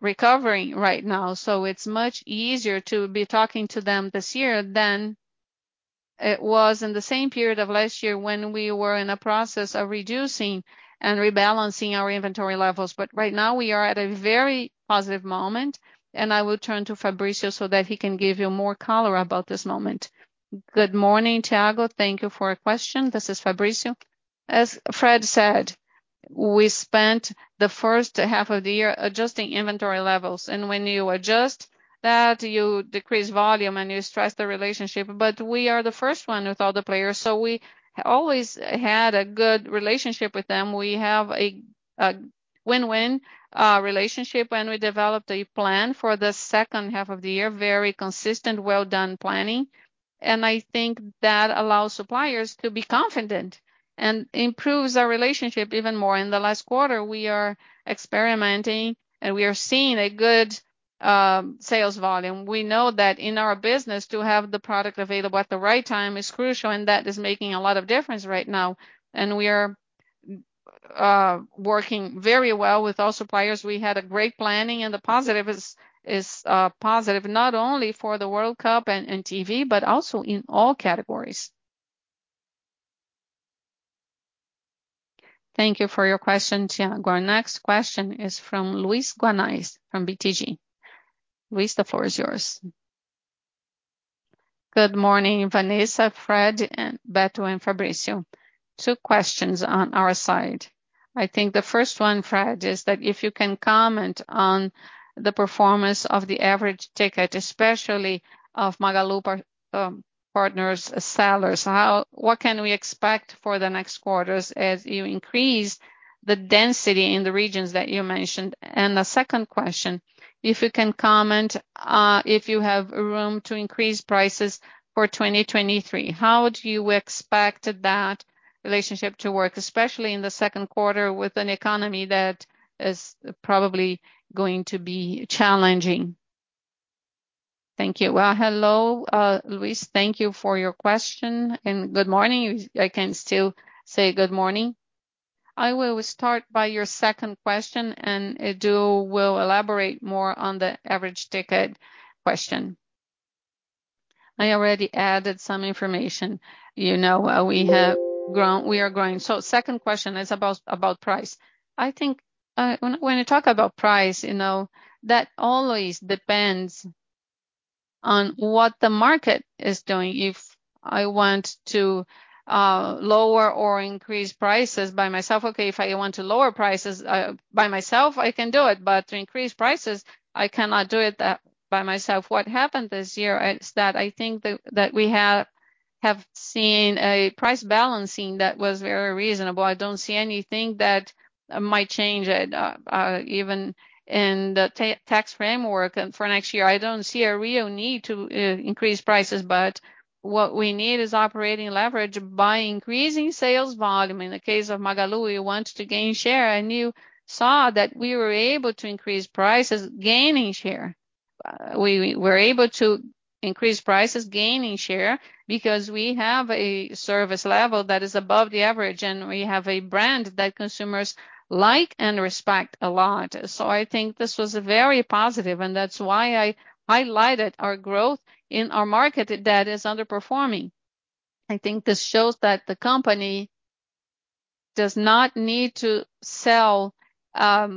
recovering right now. It's much easier to be talking to them this year than it was in the same period of last year when we were in a process of reducing and rebalancing our inventory levels. Right now we are at a very positive moment, and I will turn to Fabricio so that he can give you more color about this moment. Good morning, Thiago. Thank you for your question. This is Fabricio. As Fred said, we spent the first half of the year adjusting inventory levels, and when you adjust that, you decrease volume and you stress the relationship. We are the first one with all the players, so we always had a good relationship with them. We have a win-win relationship, and we developed a plan for the second half of the year, very consistent, well done planning. I think that allows suppliers to be confident and improves our relationship even more. In the last quarter, we are experimenting and we are seeing a good sales volume. We know that in our business to have the product available at the right time is crucial and that is making a lot of difference right now. We are working very well with all suppliers. We had a great planning and the positive is positive not only for the World Cup and TV, but also in all categories. Thank you for your question, Thiago. Our next question is from Luiz Guanais from BTG. Luiz, the floor is yours. Good morning, Vanessa, Fred, and Beto and Fabricio. Two questions on our side. I think the first one, Fred, is that if you can comment on the performance of the average ticket, especially of Magalu partner sellers, what can we expect for the next quarters as you increase the density in the regions that you mentioned? The second question, if you can comment, if you have room to increase prices for 2023. How do you expect that relationship to work, especially in the second quarter with an economy that is probably going to be challenging? Thank you. Well, hello, Luiz. Thank you for your question and good morning. I can still say good morning. I will start by your second question, and Edu will elaborate more on the average ticket question. I already added some information. You know, we have grown, we are growing. Second question is about price. I think, when you talk about price, you know, that always depends on what the market is doing. If I want to lower or increase prices by myself, okay, if I want to lower prices by myself, I can do it. To increase prices, I cannot do it by myself. What happened this year is that I think that we have seen a price balancing that was very reasonable. I don't see anything that might change it, even in the tax framework for next year. I don't see a real need to increase prices, but what we need is operating leverage by increasing sales volume. In the case of Magalu, you want to gain share, and you saw that we were able to increase prices gaining share. We were able to increase prices gaining share because we have a service level that is above the average, and we have a brand that consumers like and respect a lot. I think this was very positive, and that's why I highlighted our growth in our market that is underperforming. I think this shows that the company does not need to sell at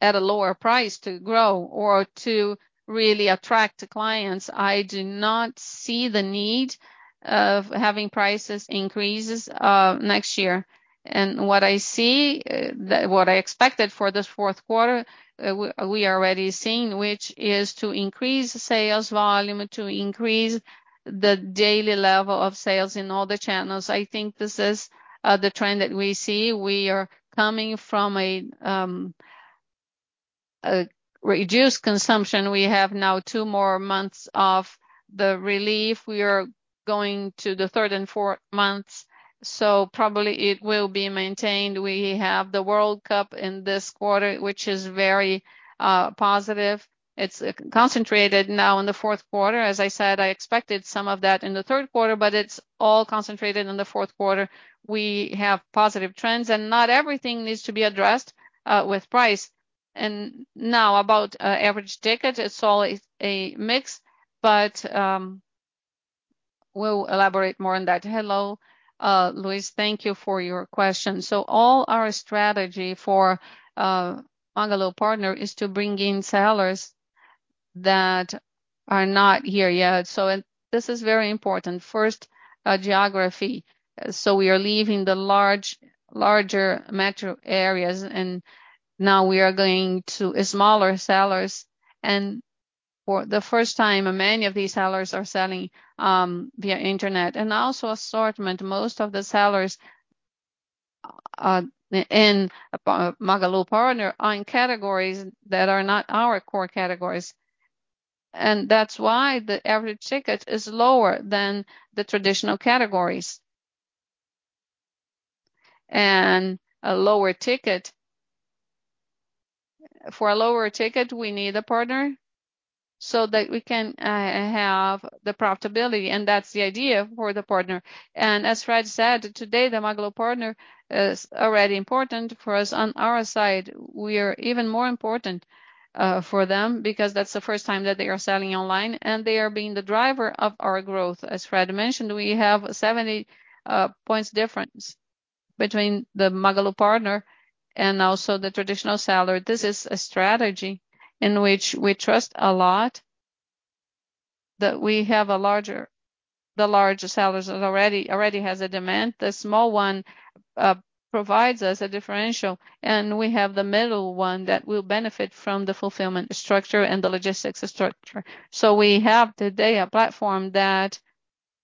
a lower price to grow or to really attract clients. I do not see the need of having price increases next year. What I see, what I expected for this fourth quarter, we already seen, which is to increase sales volume, to increase the daily level of sales in all the channels. I think this is the trend that we see. We are coming from a reduced consumption. We have now two more months of the relief. We are going to the third and fourth months, so probably it will be maintained. We have the World Cup in this quarter, which is very positive. It's concentrated now in the fourth quarter. As I said, I expected some of that in the third quarter, but it's all concentrated in the fourth quarter. We have positive trends and not everything needs to be addressed with price. Now about average ticket, it's all a mix, but we'll elaborate more on that. Hello, Luiz. Thank you for your question. All our strategy for Parceiro Magalu is to bring in sellers that are not here yet. This is very important. First, geography. We are leaving the larger metro areas, and now we are going to smaller sellers. For the first time, many of these sellers are selling via internet. Also assortment, most of the sellers in Parceiro Magalu are in categories that are not our core categories. That's why the average ticket is lower than the traditional categories. A lower ticket. For a lower ticket, we need a partner so that we can have the profitability, and that's the idea for the partner. As Fred said, today, the Parceiro Magalu is already important for us. On our side, we are even more important for them because that's the first time that they are selling online, and they are being the driver of our growth. As Fred mentioned, we have 70 points difference between the Magalu partner and also the traditional seller. This is a strategy in which we trust a lot, that we have the larger sellers has already has a demand. The small one provides us a differential, and we have the middle one that will benefit from the fulfillment structure and the logistics structure. We have today a platform that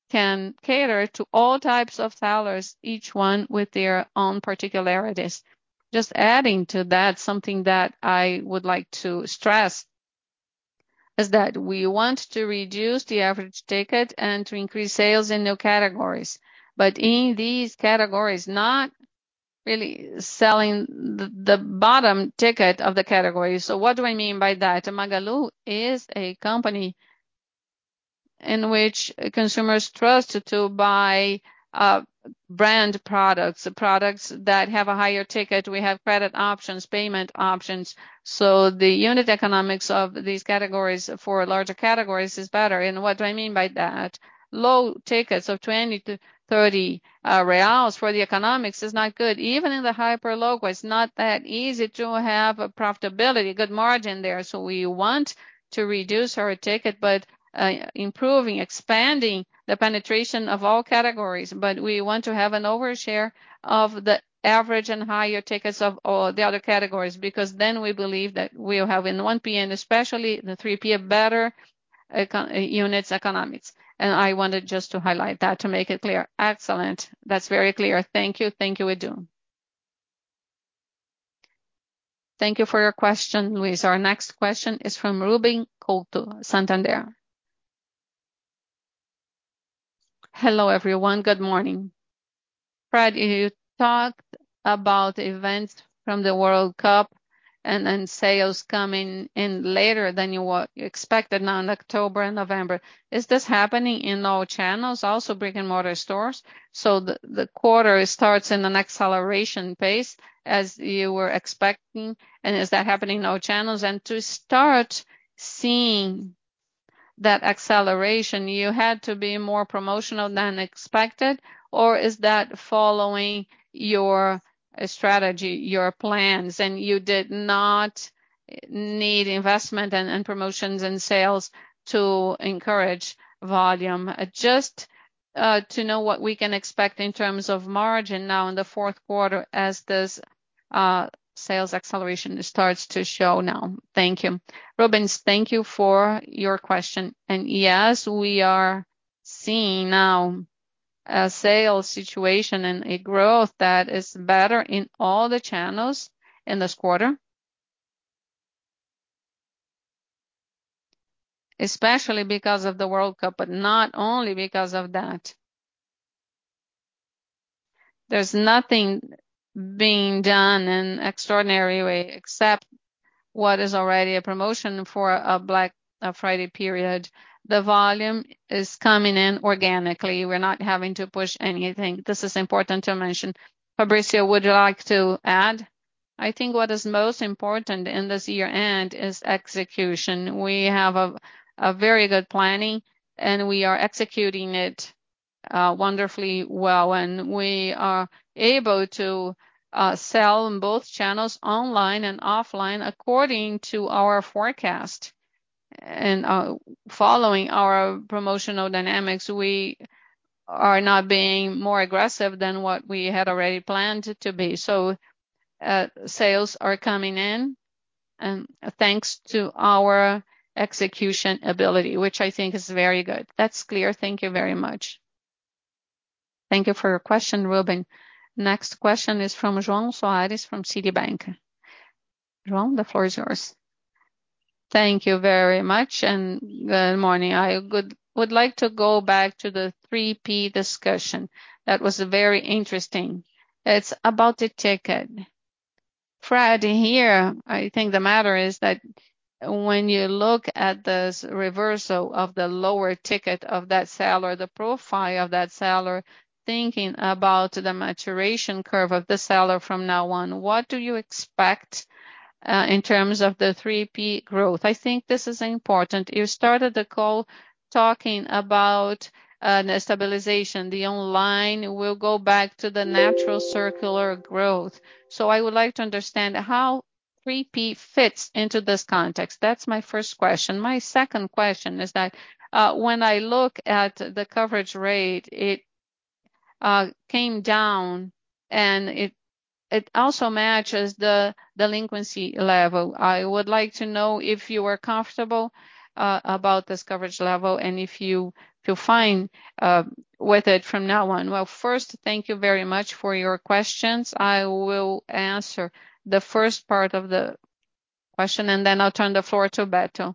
can cater to all types of sellers, each one with their own particularities. Just adding to that, something that I would like to stress is that we want to reduce the average ticket and to increase sales in new categories. In these categories, not really selling the bottom ticket of the category. What do I mean by that? Magalu is a company in which consumers trust to buy brand products that have a higher ticket. We have credit options, payment options. The unit economics of these categories for larger categories is better. What do I mean by that? Low tickets of 20-30 reais for the economics is not good. Even in the hyper local, it's not that easy to have a profitability, a good margin there. We want to reduce our ticket, but improving, expanding the penetration of all categories. We want to have an overshare of the average and higher tickets of all the other categories, because then we believe that we'll have in 1P and especially the 3P a better units economics. I wanted just to highlight that to make it clear. Excellent. That's very clear. Thank you, Fred. Thank you, Edu. Thank you for your question, Luiz. Our next question is from Ruben Couto, Santander. Hello, everyone. Good morning. Fred, you talked about events from the World Cup and then sales coming in later than you expected now in October and November. Is this happening in all channels, also brick-and-mortar stores? The quarter starts in an acceleration pace as you were expecting, and is that happening in all channels? To start seeing that acceleration, you had to be more promotional than expected? Is that following your strategy, your plans, and you did not need investment and promotions and sales to encourage volume? Just to know what we can expect in terms of margin now in the fourth quarter as this sales acceleration starts to show now. Thank you. Ruben, thank you for your question. Yes, we are seeing now a sales situation and a growth that is better in all the channels in this quarter. Especially because of the World Cup, but not only because of that. There's nothing being done in extraordinary way except what is already a promotion for a Black Friday period. The volume is coming in organically. We're not having to push anything. This is important to mention. Fabricio, would you like to add? I think what is most important in this year-end is execution. We have a very good planning, and we are executing it wonderfully well. We are able to sell in both channels online and offline according to our forecast. Following our promotional dynamics, we are not being more aggressive than what we had already planned to be. Sales are coming in thanks to our execution ability, which I think is very good. That's clear. Thank you very much. Thank you for your question, Ruben. Next question is from João Soares from Citigroup. João, the floor is yours. Thank you very much, and good morning. I would like to go back to the 3P discussion. That was very interesting. It's about the ticket. Fred, here, I think the matter is that when you look at this reversal of the lower ticket of that seller, the profile of that seller, thinking about the maturation curve of the seller from now on, what do you expect in terms of the 3P growth? I think this is important. You started the call talking about stabilization. The online will go back to the natural circular growth. I would like to understand how 3P fits into this context. That's my first question. My second question is that, when I look at the coverage rate, it came down and it also matches the delinquency level. I would like to know if you are comfortable about this coverage level and if you feel fine with it from now on. First, thank you very much for your questions. I will answer the first part of the question, and then I'll turn the floor to Beto.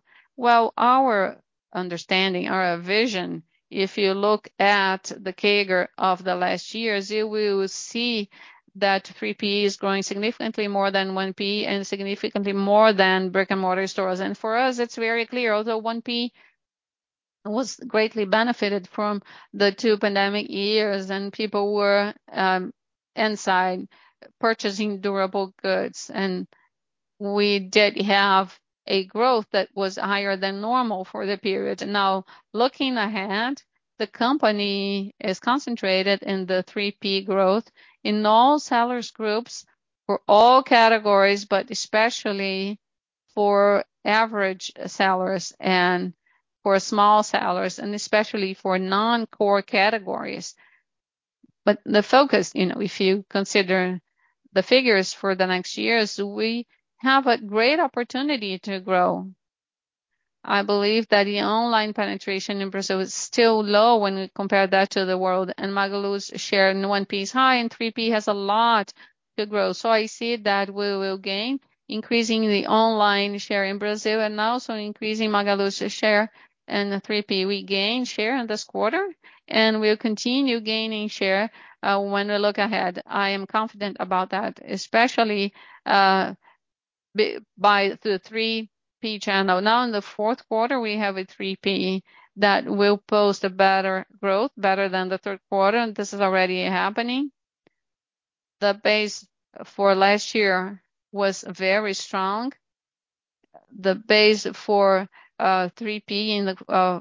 Our understanding, our vision, if you look at the CAGR of the last years, you will see that 3P is growing significantly more than 1P and significantly more than brick-and-mortar stores. For us, it's very clear. Although 1P was greatly benefited from the two pandemic years, and people were inside purchasing durable goods and we did have a growth that was higher than normal for the period. Now looking ahead, the company is concentrated in the 3P growth in all sellers groups for all categories, but especially for average sellers and for small sellers, and especially for non-core categories. The focus, you know, if you consider the figures for the next years, we have a great opportunity to grow. I believe that the online penetration in Brazil is still low when we compare that to the world, and Magalu's share in 1P is high, and 3P has a lot to grow. I see that we will gain, increasing the online share in Brazil and also increasing Magalu's share in the 3P. We gained share in this quarter, and we'll continue gaining share, when we look ahead. I am confident about that, especially, by the 3P channel. Now in the fourth quarter, we have a 3P that will post a better growth, better than the third quarter, and this is already happening. The base for last year was very strong. The base for 3P in the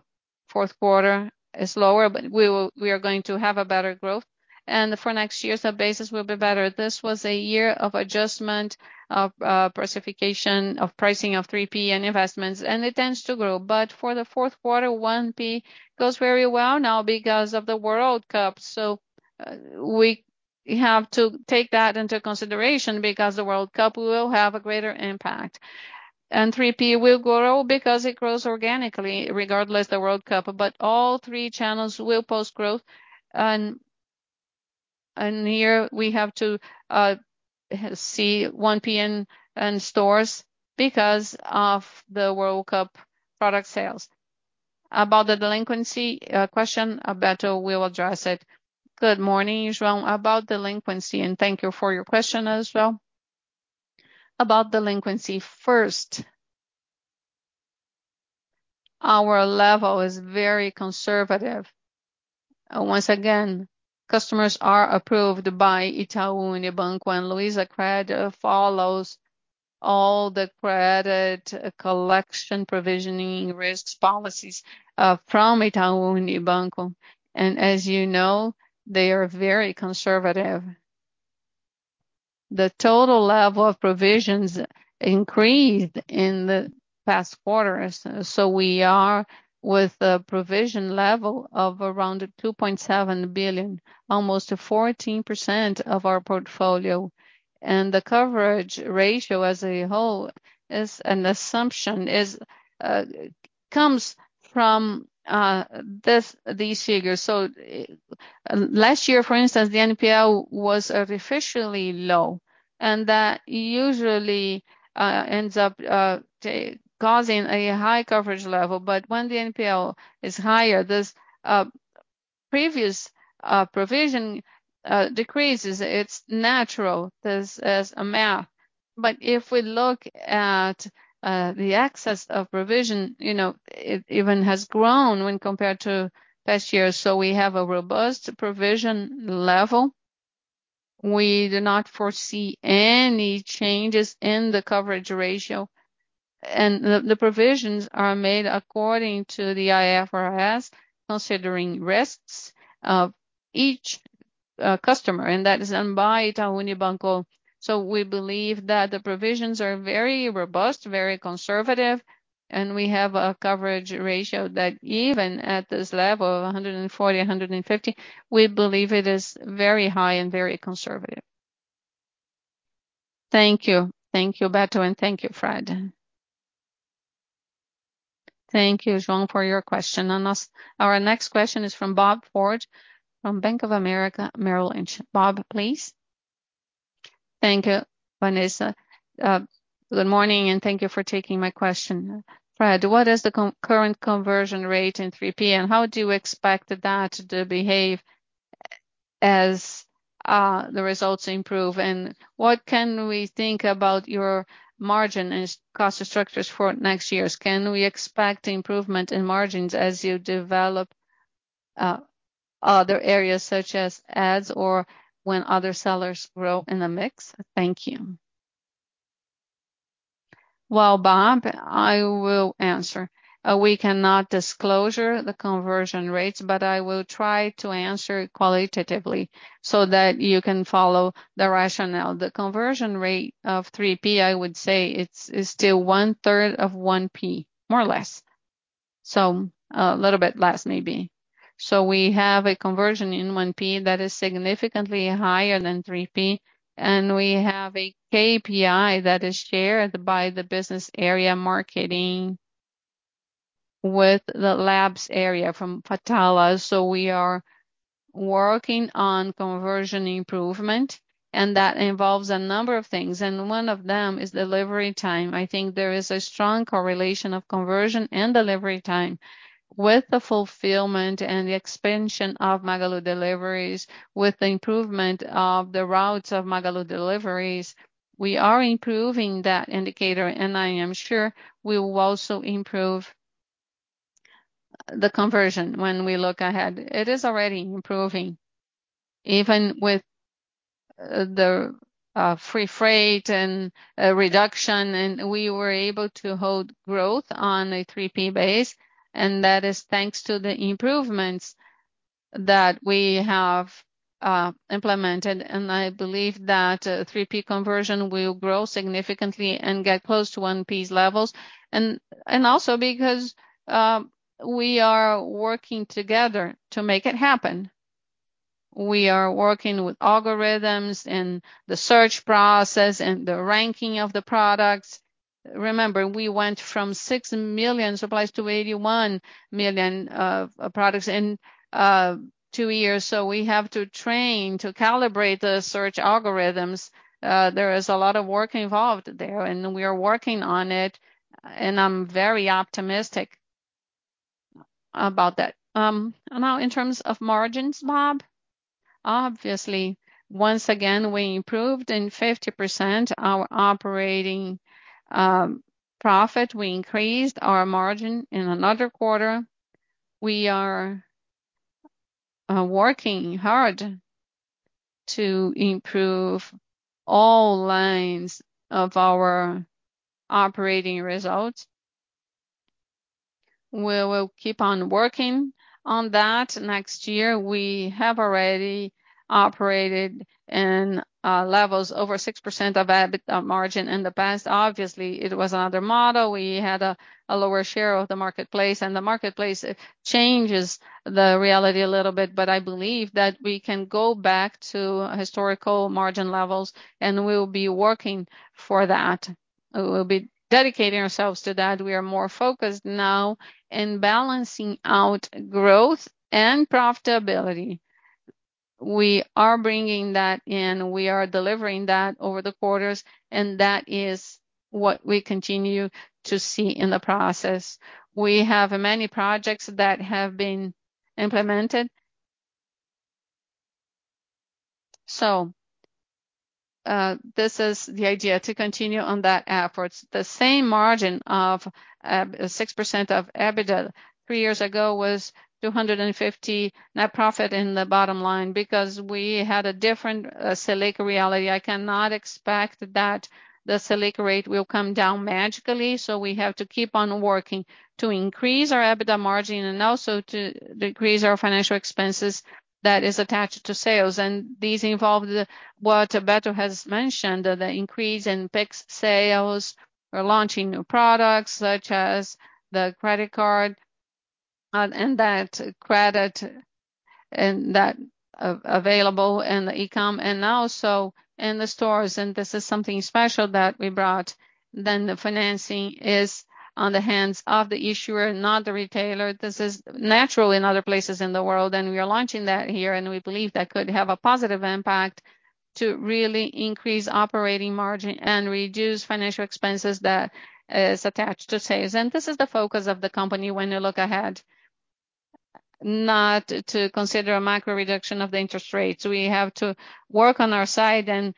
fourth quarter is lower, but we are going to have a better growth. For next year, the basis will be better. This was a year of adjustment, of pacification, of pricing of 3P and investments, and it tends to grow. For the fourth quarter, 1P goes very well now because of the World Cup. We have to take that into consideration because the World Cup will have a greater impact. 3P will grow because it grows organically regardless of World Cup. Here we have to see 1P in stores because of the World Cup product sales. About the delinquency question, Beto will address it. Good morning, João. About delinquency, and thank you for your question as well. About delinquency, first. Our level is very conservative. Once again, customers are approved by Itaú Unibanco, and Luizacred follows all the credit collection, provisioning, and risks policies from Itaú Unibanco. As you know, they are very conservative. The total level of provisions increased in the past quarters, so we are with a provision level of around 2.7 billion, almost 14% of our portfolio. The coverage ratio as a whole is an assumption, comes from these figures. Last year, for instance, the NPL was artificially low, and that usually ends up causing a high coverage level. When the NPL is higher, this previous provision decreases. It's natural. This is a math. If we look at the excess of provision, you know, it even has grown when compared to last year. We have a robust provision level. We do not foresee any changes in the coverage ratio. The provisions are made according to the IFRS, considering risks of each customer, and that is done by Itaú Unibanco. We believe that the provisions are very robust, very conservative, and we have a coverage ratio that even at this level, 140%-150%, we believe it is very high and very conservative. Thank you. Thank you, Beto, and thank you, Fred. Thank you, João, for your question. Our next question is from Bob Ford from Bank of America Merrill Lynch. Bob, please. Thank you, Vanessa. Good morning, and thank you for taking my question. Fred, what is the current conversion rate in 3P, and how do you expect that to behave as the results improve? And what can we think about your margin and cost structures for next years? Can we expect improvement in margins as you develop other areas such as ads or when other sellers grow in the mix? Thank you. Well, Bob, I will answer. We cannot disclose the conversion rates, but I will try to answer qualitatively so that you can follow the rationale. The conversion rate of 3P, I would say it's still 1/3 of 1P, more or less. A little bit less maybe. We have a conversion in 1P that is significantly higher than 3P, and we have a KPI that is shared by the business area marketing with the labs area from Luizalabs. We are working on conversion improvement, and that involves a number of things, and one of them is delivery time. I think there is a strong correlation of conversion and delivery time. With the fulfillment and the expansion of Magalu deliveries, with the improvement of the routes of Magalu deliveries, we are improving that indicator, and I am sure we will also improve the conversion when we look ahead. It is already improving. Even with the free freight and a reduction, we were able to hold growth on a 3P base, and that is thanks to the improvements that we have implemented. I believe that 3P conversion will grow significantly and get close to 1P levels. Also because we are working together to make it happen. We are working with algorithms and the search process and the ranking of the products. Remember, we went from 6 million SKUs to 81 million products in two years. We have to train to calibrate the search algorithms. There is a lot of work involved there, and we are working on it, and I'm very optimistic about that. Now in terms of margins, Bob, obviously, once again, we improved in 50% our operating profit. We increased our margin in another quarter. We are working hard to improve all lines of our operating results. We will keep on working on that next year. We have already operated in levels over 6% of EBITDA margin in the past. Obviously, it was another model. We had a lower share of the marketplace, and the marketplace changes the reality a little bit. I believe that we can go back to historical margin levels, and we'll be working for that. We'll be dedicating ourselves to that. We are more focused now in balancing out growth and profitability. We are bringing that in. We are delivering that over the quarters, and that is what we continue to see in the process. We have many projects that have been implemented. This is the idea to continue on that efforts. The same EBITDA margin of 6% three years ago was 250 net profit in the bottom line because we had a different Selic reality. I cannot expect that the Selic rate will come down magically, so we have to keep on working to increase our EBITDA margin and also to decrease our financial expenses that is attached to sales. These involve what Beto has mentioned, the increase in Pix sales. We're launching new products such as the credit card and that credit and that available in the e-com and also in the stores, and this is something special that we brought. The financing is on the hands of the issuer, not the retailer. This is natural in other places in the world, and we are launching that here, and we believe that could have a positive impact to really increase operating margin and reduce financial expenses that is attached to sales. This is the focus of the company when you look ahead. Not to consider a micro reduction of the interest rates. We have to work on our side and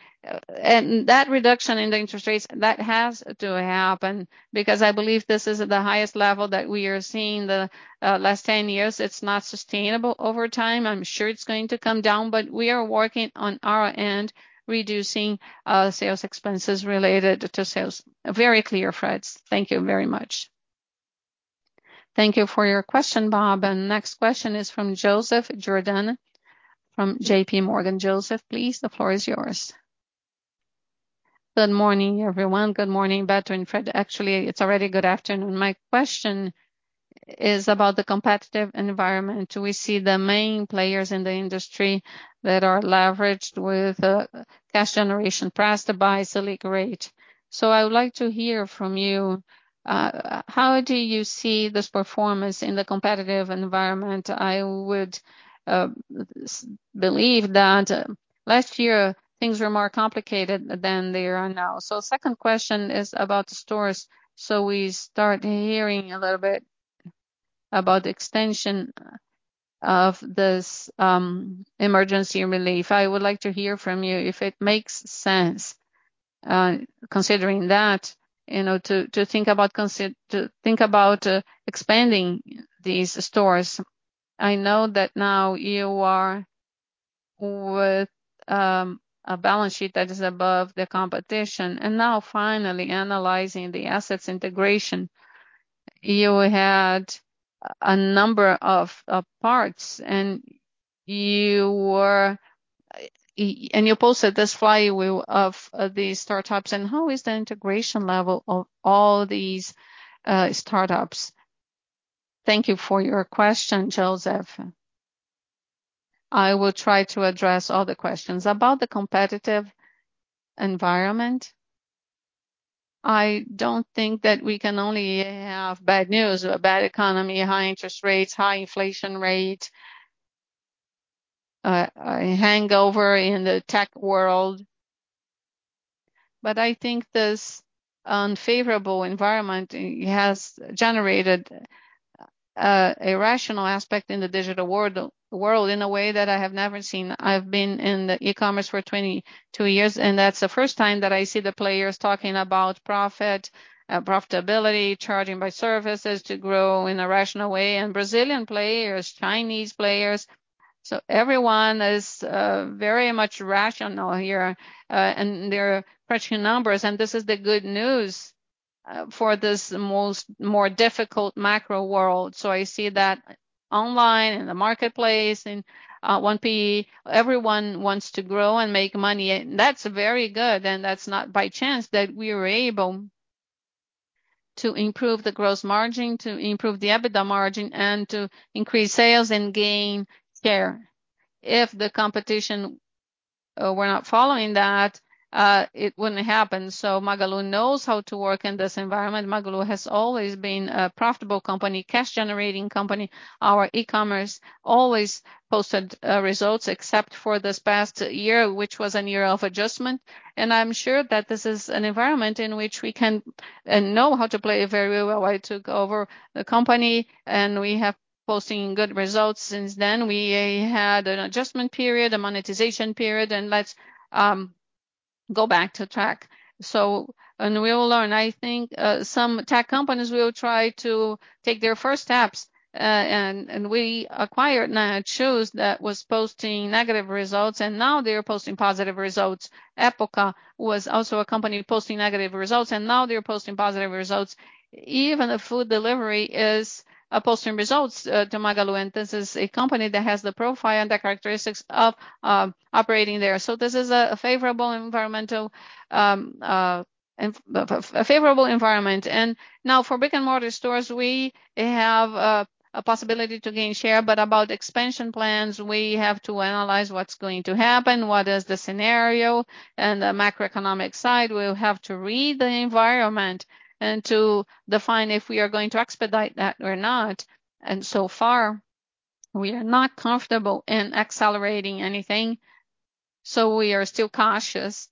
that reduction in the interest rates, that has to happen because I believe this is the highest level that we are seeing the last 10 years. It's not sustainable over time. I'm sure it's going to come down, but we are working on our end, reducing sales expenses related to sales. Very clear, Fred. Thank you very much. Thank you for your question, Bob. Next question is from Joseph Giordano from JPMorgan. Joseph, please, the floor is yours. Good morning, everyone. Good morning, Beto and Fred. Actually, it's already good afternoon. My question is about the competitive environment. We see the main players in the industry that are leveraged with cash generation pressed by Selic rate. I would like to hear from you how do you see this performance in the competitive environment? I would believe that last year things were more complicated than they are now. Second question is about the stores. We start hearing a little bit about the extension of this emergency relief. I would like to hear from you if it makes sense considering that, you know, to think about expanding these stores. I know that now you are with a balance sheet that is above the competition. Now finally analyzing the assets integration. You had a number of parts, and you posted this flywheel of these startups, and how is the integration level of all these startups? Thank you for your question, Joseph. I will try to address all the questions. About the competitive environment, I don't think that we can only have bad news, a bad economy, high interest rates, high inflation rate, a hangover in the tech world. I think this unfavorable environment has generated a rational aspect in the digital world in a way that I have never seen. I've been in the e-commerce for 22 years, and that's the first time that I see the players talking about profit, profitability, charging for services to grow in a rational way. Brazilian players, Chinese players, everyone is very much rational here. They're crunching numbers, and this is the good news for this much more difficult macro world. I see that online, in the marketplace, in 1P, everyone wants to grow and make money. That's very good, and that's not by chance that we are able to improve the gross margin, to improve the EBITDA margin, and to increase sales and gain share. If the competition were not following that, it wouldn't happen. Magalu knows how to work in this environment. Magalu has always been a profitable company, cash-generating company. Our e-commerce always posted results, except for this past year, which was a year of adjustment. I'm sure that this is an environment in which we can and know how to play very well. I took over the company, and we have posting good results since then. We had an adjustment period, a monetization period, and let's go back to track. We will learn. I think some tech companies will try to take their first steps, and we acquired Netshoes that was posting negative results, and now they're posting positive results. Época was also a company posting negative results, and now they're posting positive results. Even the food delivery is posting results to Magalu, and this is a company that has the profile and the characteristics of operating there. This is a favorable environment. Now for brick-and-mortar stores, we have a possibility to gain share. About expansion plans, we have to analyze what's going to happen, what is the scenario and the macroeconomic side. We'll have to read the environment and to define if we are going to expedite that or not. So far, we are not comfortable in accelerating anything. We are still cautious.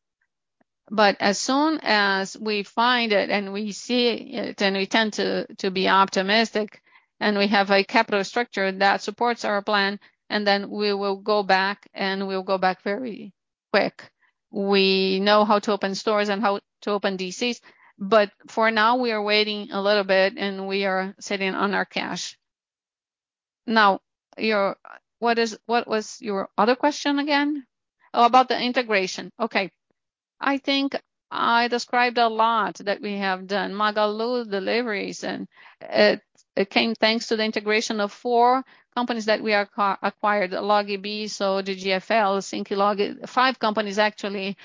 As soon as we find it and we see it, and we tend to be optimistic, and we have a capital structure that supports our plan, and then we will go back, and we'll go back very quick. We know how to open stores and how to open DCs, but for now, we are waiting a little bit, and we are sitting on our cash. Now, what was your other question again? Oh, about the integration. Okay. I think I described a lot that we have done. Magalu Deliveries and it came thanks to the integration of four companies that we acquired, Logbee, Sode, GFL Logística, SincLog. Five companies, actually.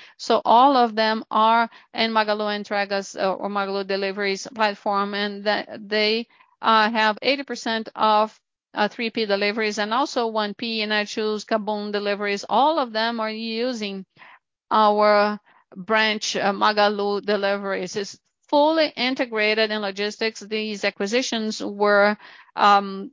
All of them are in Magalu Entregas or Magalu Deliveries platform, and they have 80% of 3P deliveries and also 1P, Netshoes, KaBuM! deliveries. All of them are using our branch Magalu Deliveries. It's fully integrated in logistics. These acquisitions were right,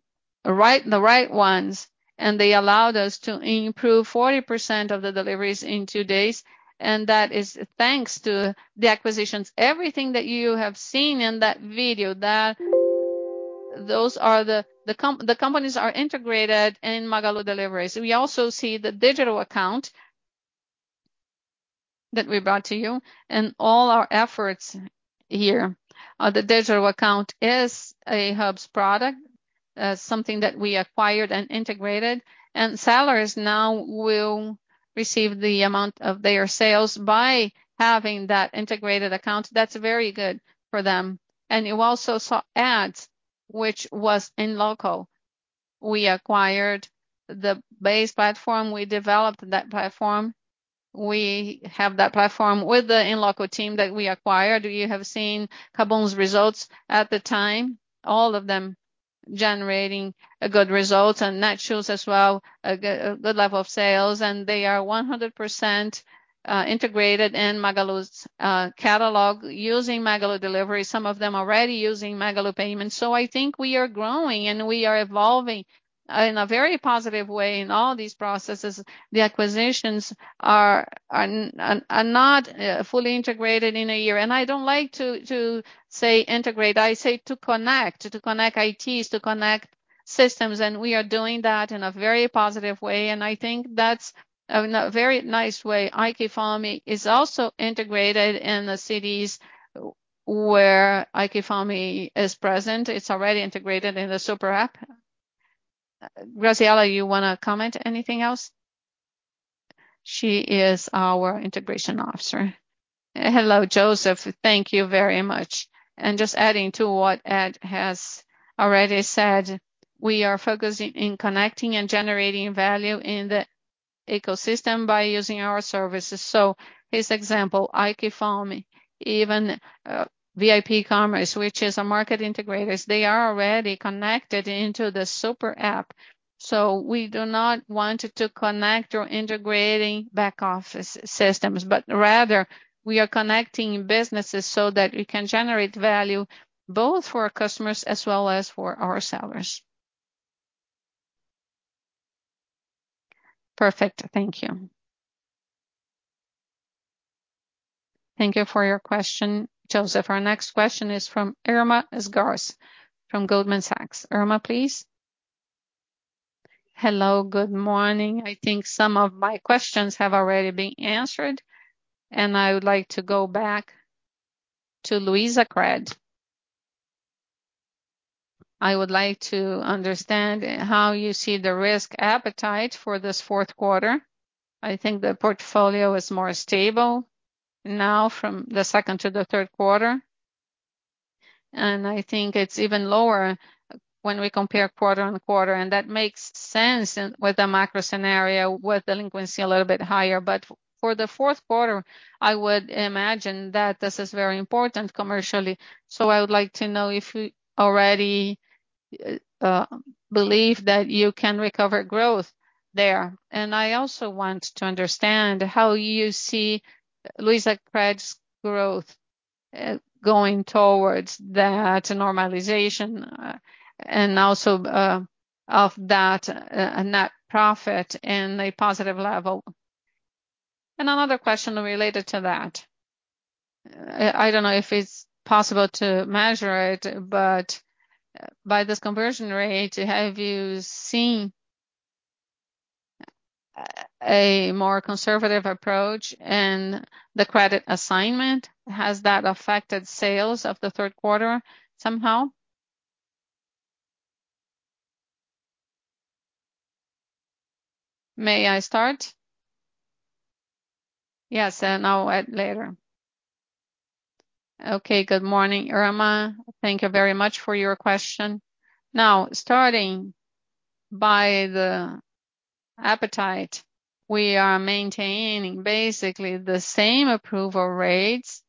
the right ones, and they allowed us to improve 40% of the deliveries in two days, and that is thanks to the acquisitions. Everything that you have seen in that video, those are the companies integrated in Magalu Deliveries. We also see the digital account that we brought to you and all our efforts here. The digital account is a Hub product, something that we acquired and integrated. Sellers now will receive the amount of their sales by having that integrated account. That's very good for them. You also saw ads, which was Inloco. We acquired the base platform. We developed that platform. We have that platform with the Inloco team that we acquired. You have seen KaBuM!'s results at the time, all of them generating a good result. Netshoes as well, a good level of sales. They are 100% integrated in Magalu's catalog using Magalu Delivery, some of them already using MagaluPay. I think we are growing, and we are evolving, in a very positive way in all these processes. The acquisitions are not fully integrated in a year. I don't like to say integrate. I say to connect ITs, to connect systems, and we are doing that in a very positive way. I think that's a very nice way. iFood is also integrated in the cities where iFood is present. It's already integrated in the super app. Graciela, you wanna comment anything else? She is our integration officer. Hello, Joseph. Thank you very much. Just adding to what Ed has already said, we are focusing in connecting and generating value in the ecosystem by using our services. This example, iFood, even VipCommerce, which is a market integrators, they are already connected into the super app. We do not want to connect or integrating back office systems, but rather we are connecting businesses so that we can generate value both for our customers as well as for our sellers. Perfect. Thank you. Thank you for your question, Joseph. Our next question is from Irma Sgarz from Goldman Sachs. Irma, please. Hello, good morning. I think some of my questions have already been answered, and I would like to go back to Luizacred. I would like to understand how you see the risk appetite for this fourth quarter. I think the portfolio is more stable now from the second to the third quarter, and I think it's even lower when we compare quarter-over-quarter. That makes sense with the macro scenario, with delinquency a little bit higher. For the fourth quarter, I would imagine that this is very important commercially. I would like to know if you already believe that you can recover growth there. I also want to understand how you see Luizacred's growth going towards that normalization and also of that net profit in a positive level. Another question related to that. I don't know if it's possible to measure it, but by this conversion rate, have you seen a more conservative approach in the credit assignment? Has that affected sales of the third quarter somehow? May I start? Yes, I'll add later. Okay. Good morning, Irma. Thank you very much for your question. Now, starting by the appetite, we are maintaining basically the same approval rates,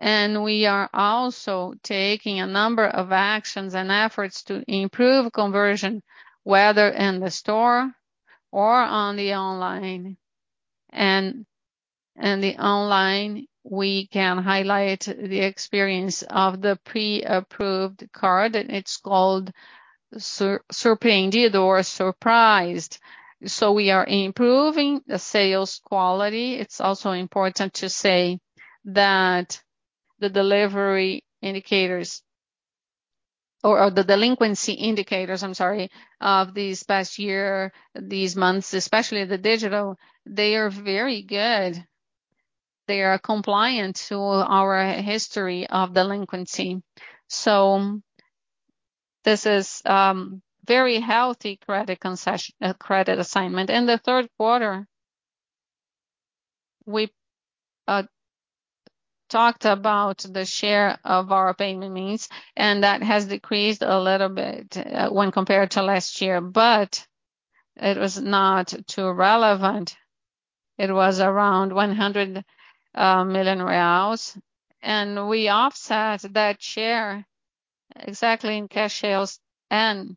and we are also taking a number of actions and efforts to improve conversion, whether in the store or on the online. The online, we can highlight the experience of the pre-approved card. It's called Surpreendente or Surprised. We are improving the sales quality. It's also important to say that the delivery indicators, the delinquency indicators, I'm sorry, of this past year, these months, especially the digital, they are very good. They are compliant to our history of delinquency. This is very healthy credit assignment. In the third quarter, we talked about the share of our payment means, and that has decreased a little bit when compared to last year, but it was not too relevant. It was around 100 million reais, and we offset that share exactly in cash sales and Pix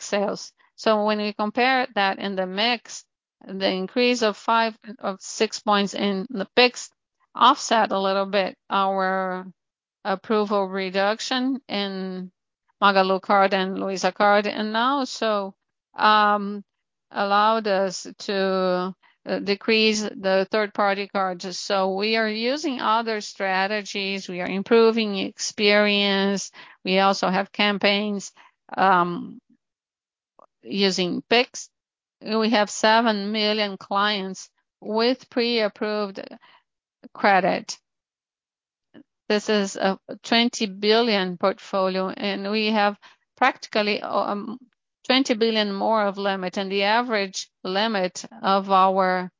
sales. When we compare that in the mix, the increase of six percentage points in the Pix adoption offset a little bit our approval reduction in Magalu Card and Luiza Card, and also allowed us to decrease the third-party cards. We are using other strategies. We are improving experience. We also have campaigns using Pix. We have 7 million clients with pre-approved credit. This is a 20 billion portfolio, and we have practically 20 billion more of limit. The average limit of our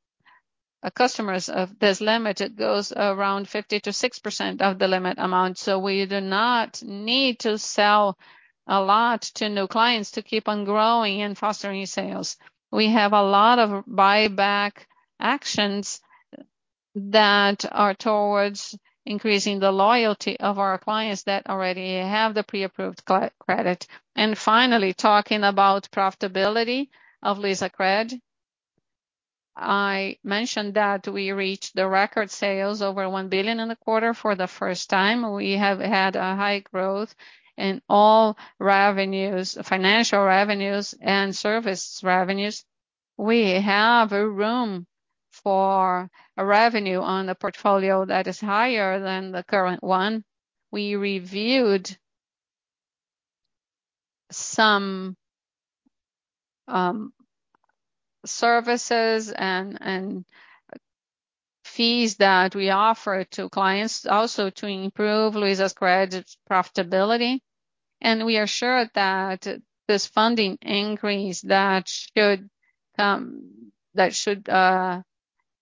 customers of this limit, it goes around 50%-60% of the limit amount. We do not need to sell a lot to new clients to keep on growing and fostering sales. We have a lot of buyback actions that are towards increasing the loyalty of our clients that already have the pre-approved credit. Finally, talking about profitability of Luizacred, I mentioned that we reached the record sales over 1 billion in the quarter for the first time. We have had a high growth in all revenues, financial revenues and service revenues. We have room for revenue on the portfolio that is higher than the current one. We reviewed some services and fees that we offer to clients also to improve Luizacred's profitability, and we are sure that this funding increase that should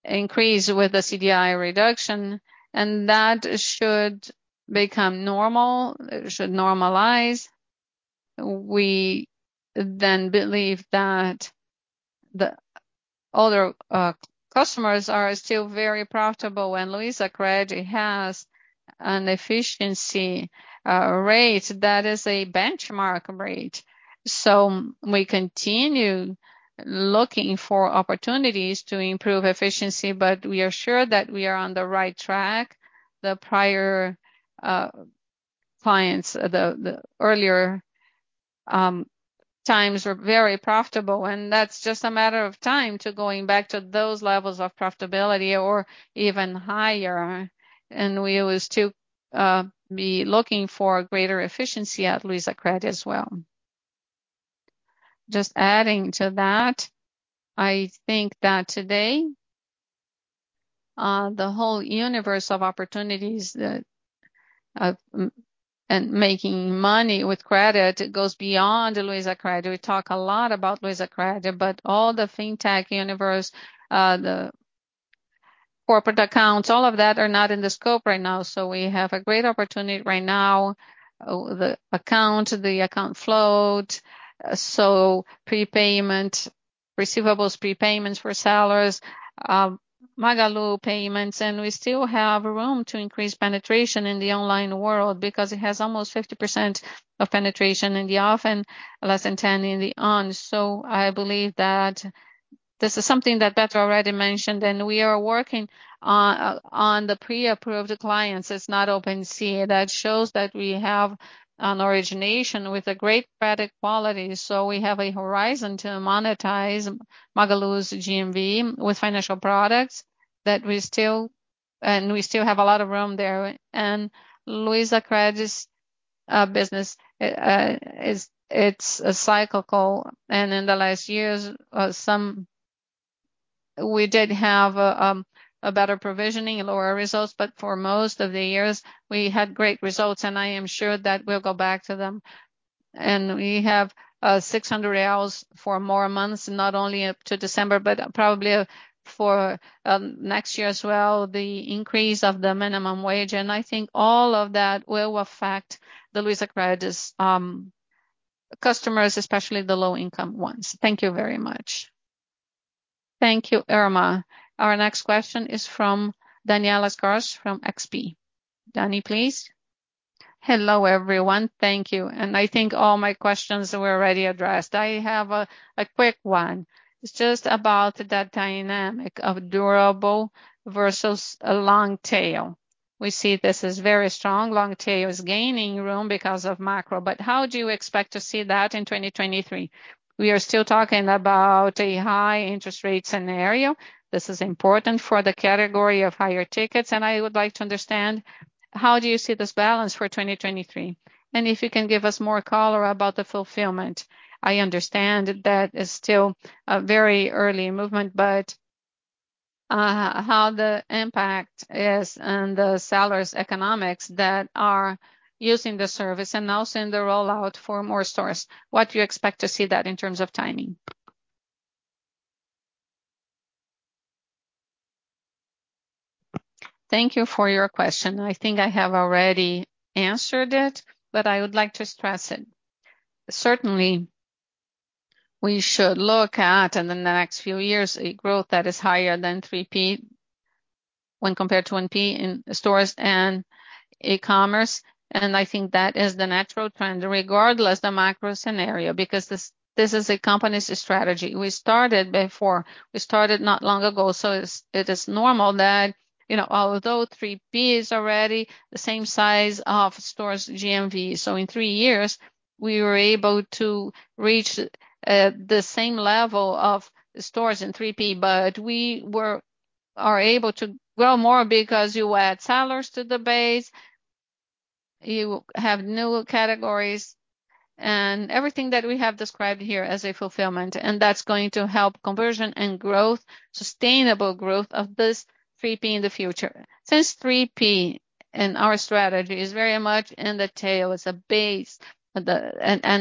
increase with the CDI reduction, and that should become normal. It should normalize. We believe that the other customers are still very profitable and Luizacred has an efficiency rate that is a benchmark rate. We continue looking for opportunities to improve efficiency, but we are sure that we are on the right track. The prior clients, the earlier times were very profitable, and that's just a matter of time to going back to those levels of profitability or even higher. We will still be looking for greater efficiency at Luizacred as well. Just adding to that, I think that today the whole universe of opportunities that, and making money with credit goes beyond the Luizacred. We talk a lot about Luizacred, but all the fintech universe, the corporate accounts, all of that are not in the scope right now. We have a great opportunity right now. The account float, so prepayment, receivables prepayments for sellers, MagaluPay. We still have room to increase penetration in the online world because it has almost 50% of penetration in the offline and less than 10 in the online. I believe that this is something that Beto already mentioned, and we are working on the pre-approved clients. It's not open, see. That shows that we have an origination with a great credit quality. We have a horizon to monetize Magalu's GMV with financial products that we still have a lot of room there. Luizacred's business is cyclical. In the last years, we did have a better provisioning, lower results, but for most of the years, we had great results, and I am sure that we'll go back to them. We have Selic at 6% for more months, not only up to December, but probably for next year as well, the increase of the minimum wage. I think all of that will affect Luizacred's customers, especially the low-income ones. Thank you very much. Thank you, Irma. Our next question is from Danniela Eiger from XP Investimentos. Danni, please. Hello, everyone. Thank you. I think all my questions were already addressed. I have a quick one. It's just about that dynamic of durable versus a long tail. We see this is very strong. Long tail is gaining room because of macro, but how do you expect to see that in 2023? We are still talking about a high interest rate scenario. This is important for the category of higher tickets, and I would like to understand how do you see this balance for 2023? If you can give us more color about the fulfillment. I understand that it's still a very early movement, but how the impact is on the sellers' economics that are using the service and also in the rollout for more stores. What do you expect to see that in terms of timing? Thank you for your question. I think I have already answered it, but I would like to stress it. Certainly, we should look at in the next few years a growth that is higher than 3P when compared to 1P in stores and e-commerce. I think that is the natural trend regardless the macro scenario, because this is a company's strategy. We started before. We started not long ago, so it is normal that, you know, although 3P is already the same size of stores GMV. In three years, we are able to reach the same level of stores in 3P, but we are able to grow more because you add sellers to the base, you have new categories, and everything that we have described here as a fulfillment, and that's going to help conversion and growth, sustainable growth of this 3P in the future. Since 3P in our strategy is very much in the tail, it's the base and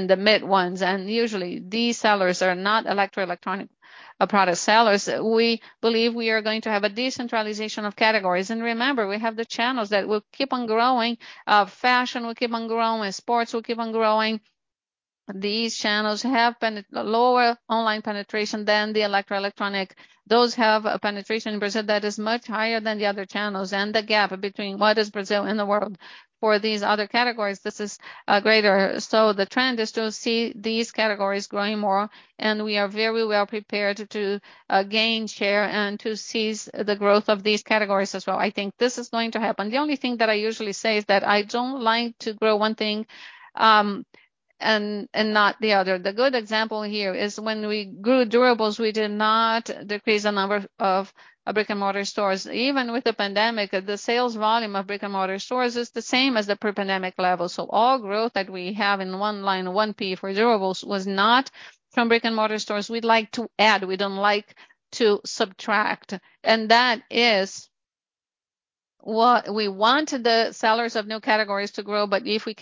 the mid ones, and usually these sellers are not electronics product sellers, we believe we are going to have a decentralization of categories. Remember, we have the channels that will keep on growing. Fashion will keep on growing. Sports will keep on growing. These channels have lower online penetration than the electronics. Those have a penetration in Brazil that is much higher than the other channels and the gap between what is Brazil and the world. For these other categories, this is greater. The trend is to see these categories growing more, and we are very well prepared to gain share and to seize the growth of these categories as well. I think this is going to happen. The only thing that I usually say is that I don't like to grow one thing, and not the other. The good example here is when we grew durables, we did not decrease the number of brick-and-mortar stores. Even with the pandemic, the sales volume of brick-and-mortar stores is the same as the pre-pandemic level. All growth that we have in one line, 1P for durables, was not from brick-and-mortar stores. We'd like to add. We don't like to subtract. That is what we want the sellers of new categories to grow. If we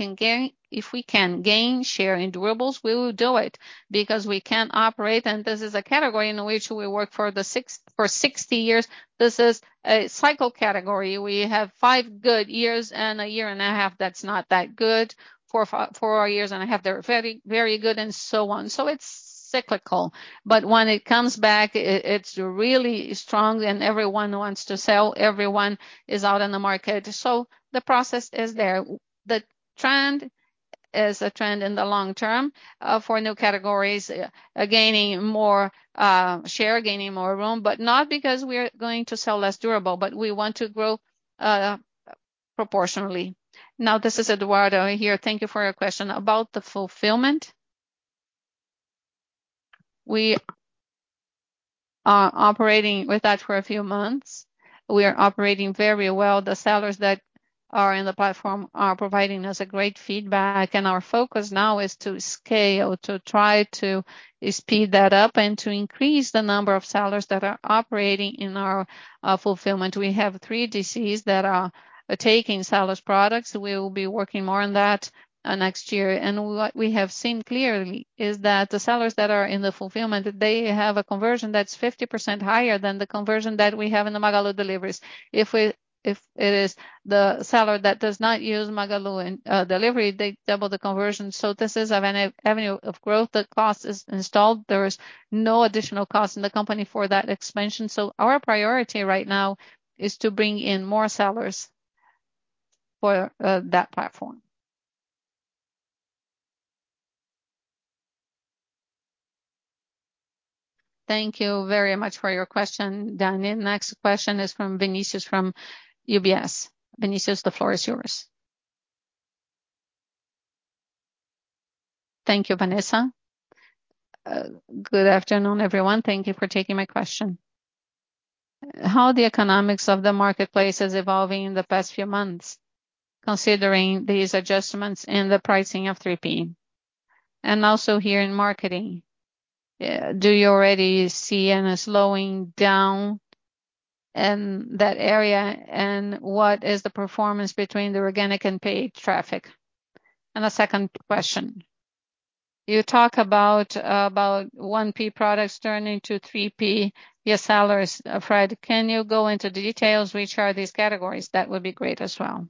can gain share in durables, we will do it because we can operate, and this is a category in which we work for 60 years. This is a cycle category. We have five good years and a year and a half that's not that good. Four years and a half, they're very, very good and so on. It's cyclical, but when it comes back, it's really strong and everyone wants to sell, everyone is out in the market. The process is there. The trend is a trend in the long term, for new categories, gaining more share, gaining more room, but not because we're going to sell less durable, but we want to grow proportionally. Now, this is Eduardo here. Thank you for your question. About the fulfillment, we are operating with that for a few months. We are operating very well. The sellers that are in the platform are providing us a great feedback, and our focus now is to scale, to try to speed that up and to increase the number of sellers that are operating in our fulfillment. We have three DCs that are taking sellers' products. We will be working more on that next year. What we have seen clearly is that the sellers that are in the fulfillment, they have a conversion that's 50% higher than the conversion that we have in the Magalu deliveries. If it is the seller that does not use Magalu in delivery, they double the conversion. This is avenue of growth. The cost is installed. There is no additional cost in the company for that expansion. Our priority right now is to bring in more sellers for that platform. Thank you very much for your question, Danniela. Next question is from Vinicius, from UBS. Vinicius, the floor is yours. Thank you, Vanessa. Good afternoon, everyone. Thank you for taking my question. How the economics of the marketplace is evolving in the past few months, considering these adjustments in the pricing of 3P? Also here in marketing, do you already see any slowing down in that area, and what is the performance between the organic and paid traffic? A second question. You talk about 1P products turning to 3P your sellers. Fred, can you go into details which are these categories? That would be great as well.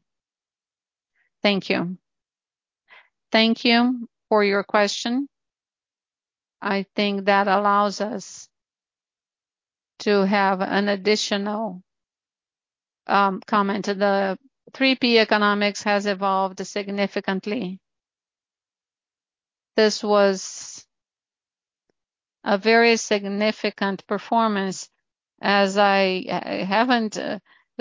Thank you. Thank you for your question. I think that allows us to have an additional comment. The 3P economics has evolved significantly. This was a very significant performance as I haven't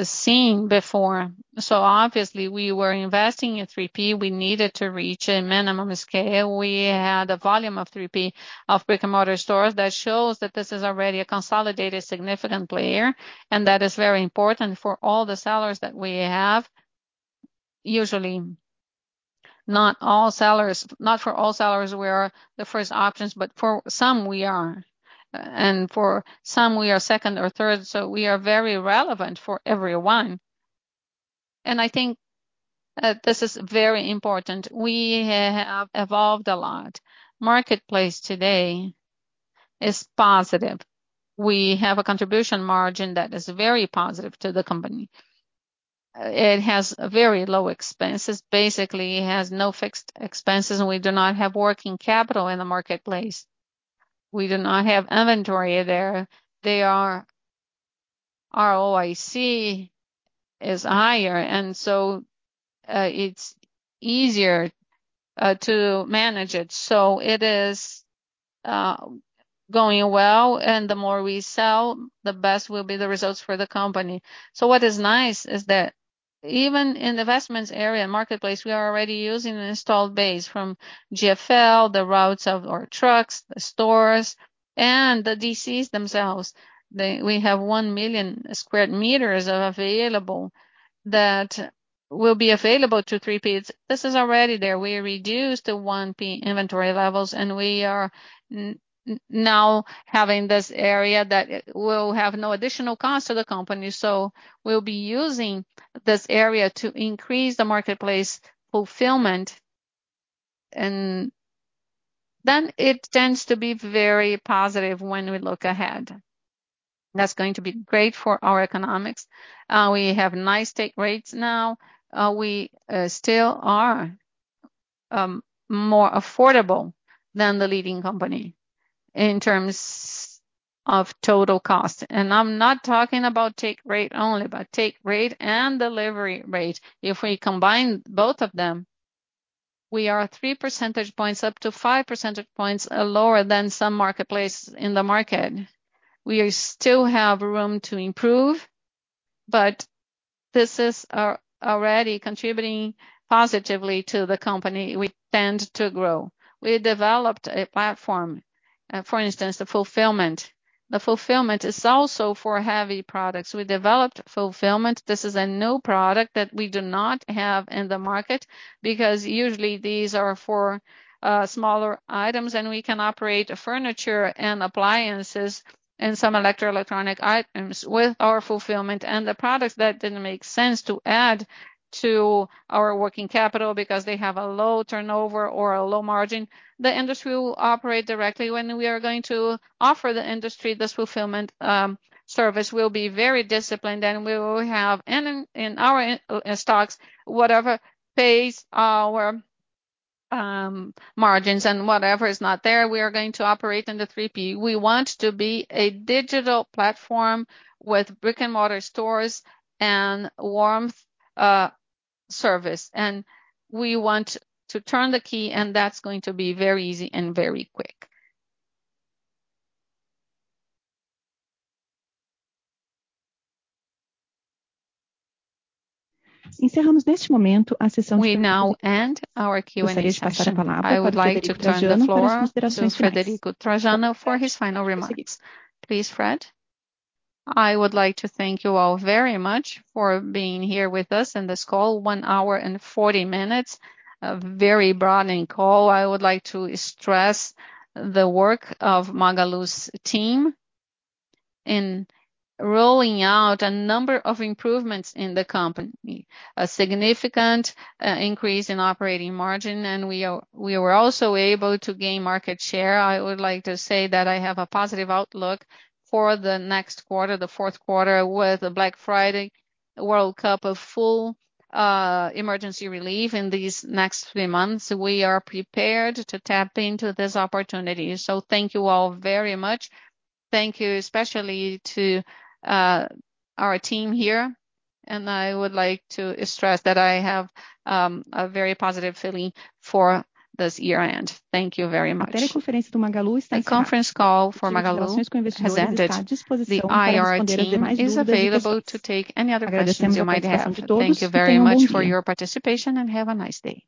seen before. Obviously we were investing in 3P. We needed to reach a minimum scale. We had a volume of 3P of brick-and-mortar stores. That shows that this is already a consolidated significant player, and that is very important for all the sellers that we have. Usually, not for all sellers we are the first options, but for some we are. For some we are second or third, so we are very relevant for everyone. I think this is very important. We have evolved a lot. Marketplace today is positive. We have a contribution margin that is very positive to the company. It has very low expenses. Basically, it has no fixed expenses, and we do not have working capital in the marketplace. We do not have inventory there. ROIC is higher and so it's easier to manage it. It is going well, and the more we sell, the best will be the results for the company. What is nice is that even in the investments area and marketplace, we are already using an installed base from GFL, the routes of our trucks, the stores, and the DCs themselves. We have 1 million square meters available that will be available to 3Ps. This is already there. We reduced the 1P inventory levels, and we are now having this area that will have no additional cost to the company. We'll be using this area to increase the marketplace fulfillment, and then it tends to be very positive when we look ahead. That's going to be great for our economics. We have nice take rates now. We still are more affordable than the leading company in terms of total cost. I'm not talking about take rate only, but take rate and delivery rate. If we combine both of them, we are 3 percentage points up to 5 percentage points lower than some marketplaces in the market. We still have room to improve, but this is already contributing positively to the company. We tend to grow. We developed a platform, for instance, the fulfillment. The fulfillment is also for heavy products. We developed fulfillment. This is a new product that we do not have in the market because usually these are for smaller items, and we can operate furniture and appliances and some electronic items with our fulfillment. The products that didn't make sense to add to our working capital because they have a low turnover or a low margin, the industry will operate directly. When we are going to offer the industry this fulfillment service, we'll be very disciplined, and we will have in our stocks whatever pays our margins and whatever is not there, we are going to operate in the 3P. We want to be a digital platform with brick-and-mortar stores and warmth service, and we want to turn the key, and that's going to be very easy and very quick. We now end our Q&A session. I would like to turn the floor to Frederico Trajano for his final remarks. Please, Fred. I would like to thank you all very much for being here with us in this call, one hour and 40 minutes, a very broadening call. I would like to stress the work of Magalu's team in rolling out a number of improvements in the company, a significant increase in operating margin, and we were also able to gain market share. I would like to say that I have a positive outlook for the next quarter, the fourth quarter, with Black Friday, World Cup of football, emergency relief in these next three months. We are prepared to tap into this opportunity. Thank you all very much. Thank you especially to our team here. I would like to stress that I have a very positive feeling for this year-end. Thank you very much. The conference call for Magalu has ended. The IR team is available to take any other questions you might have. Thank you very much for your participation, and have a nice day.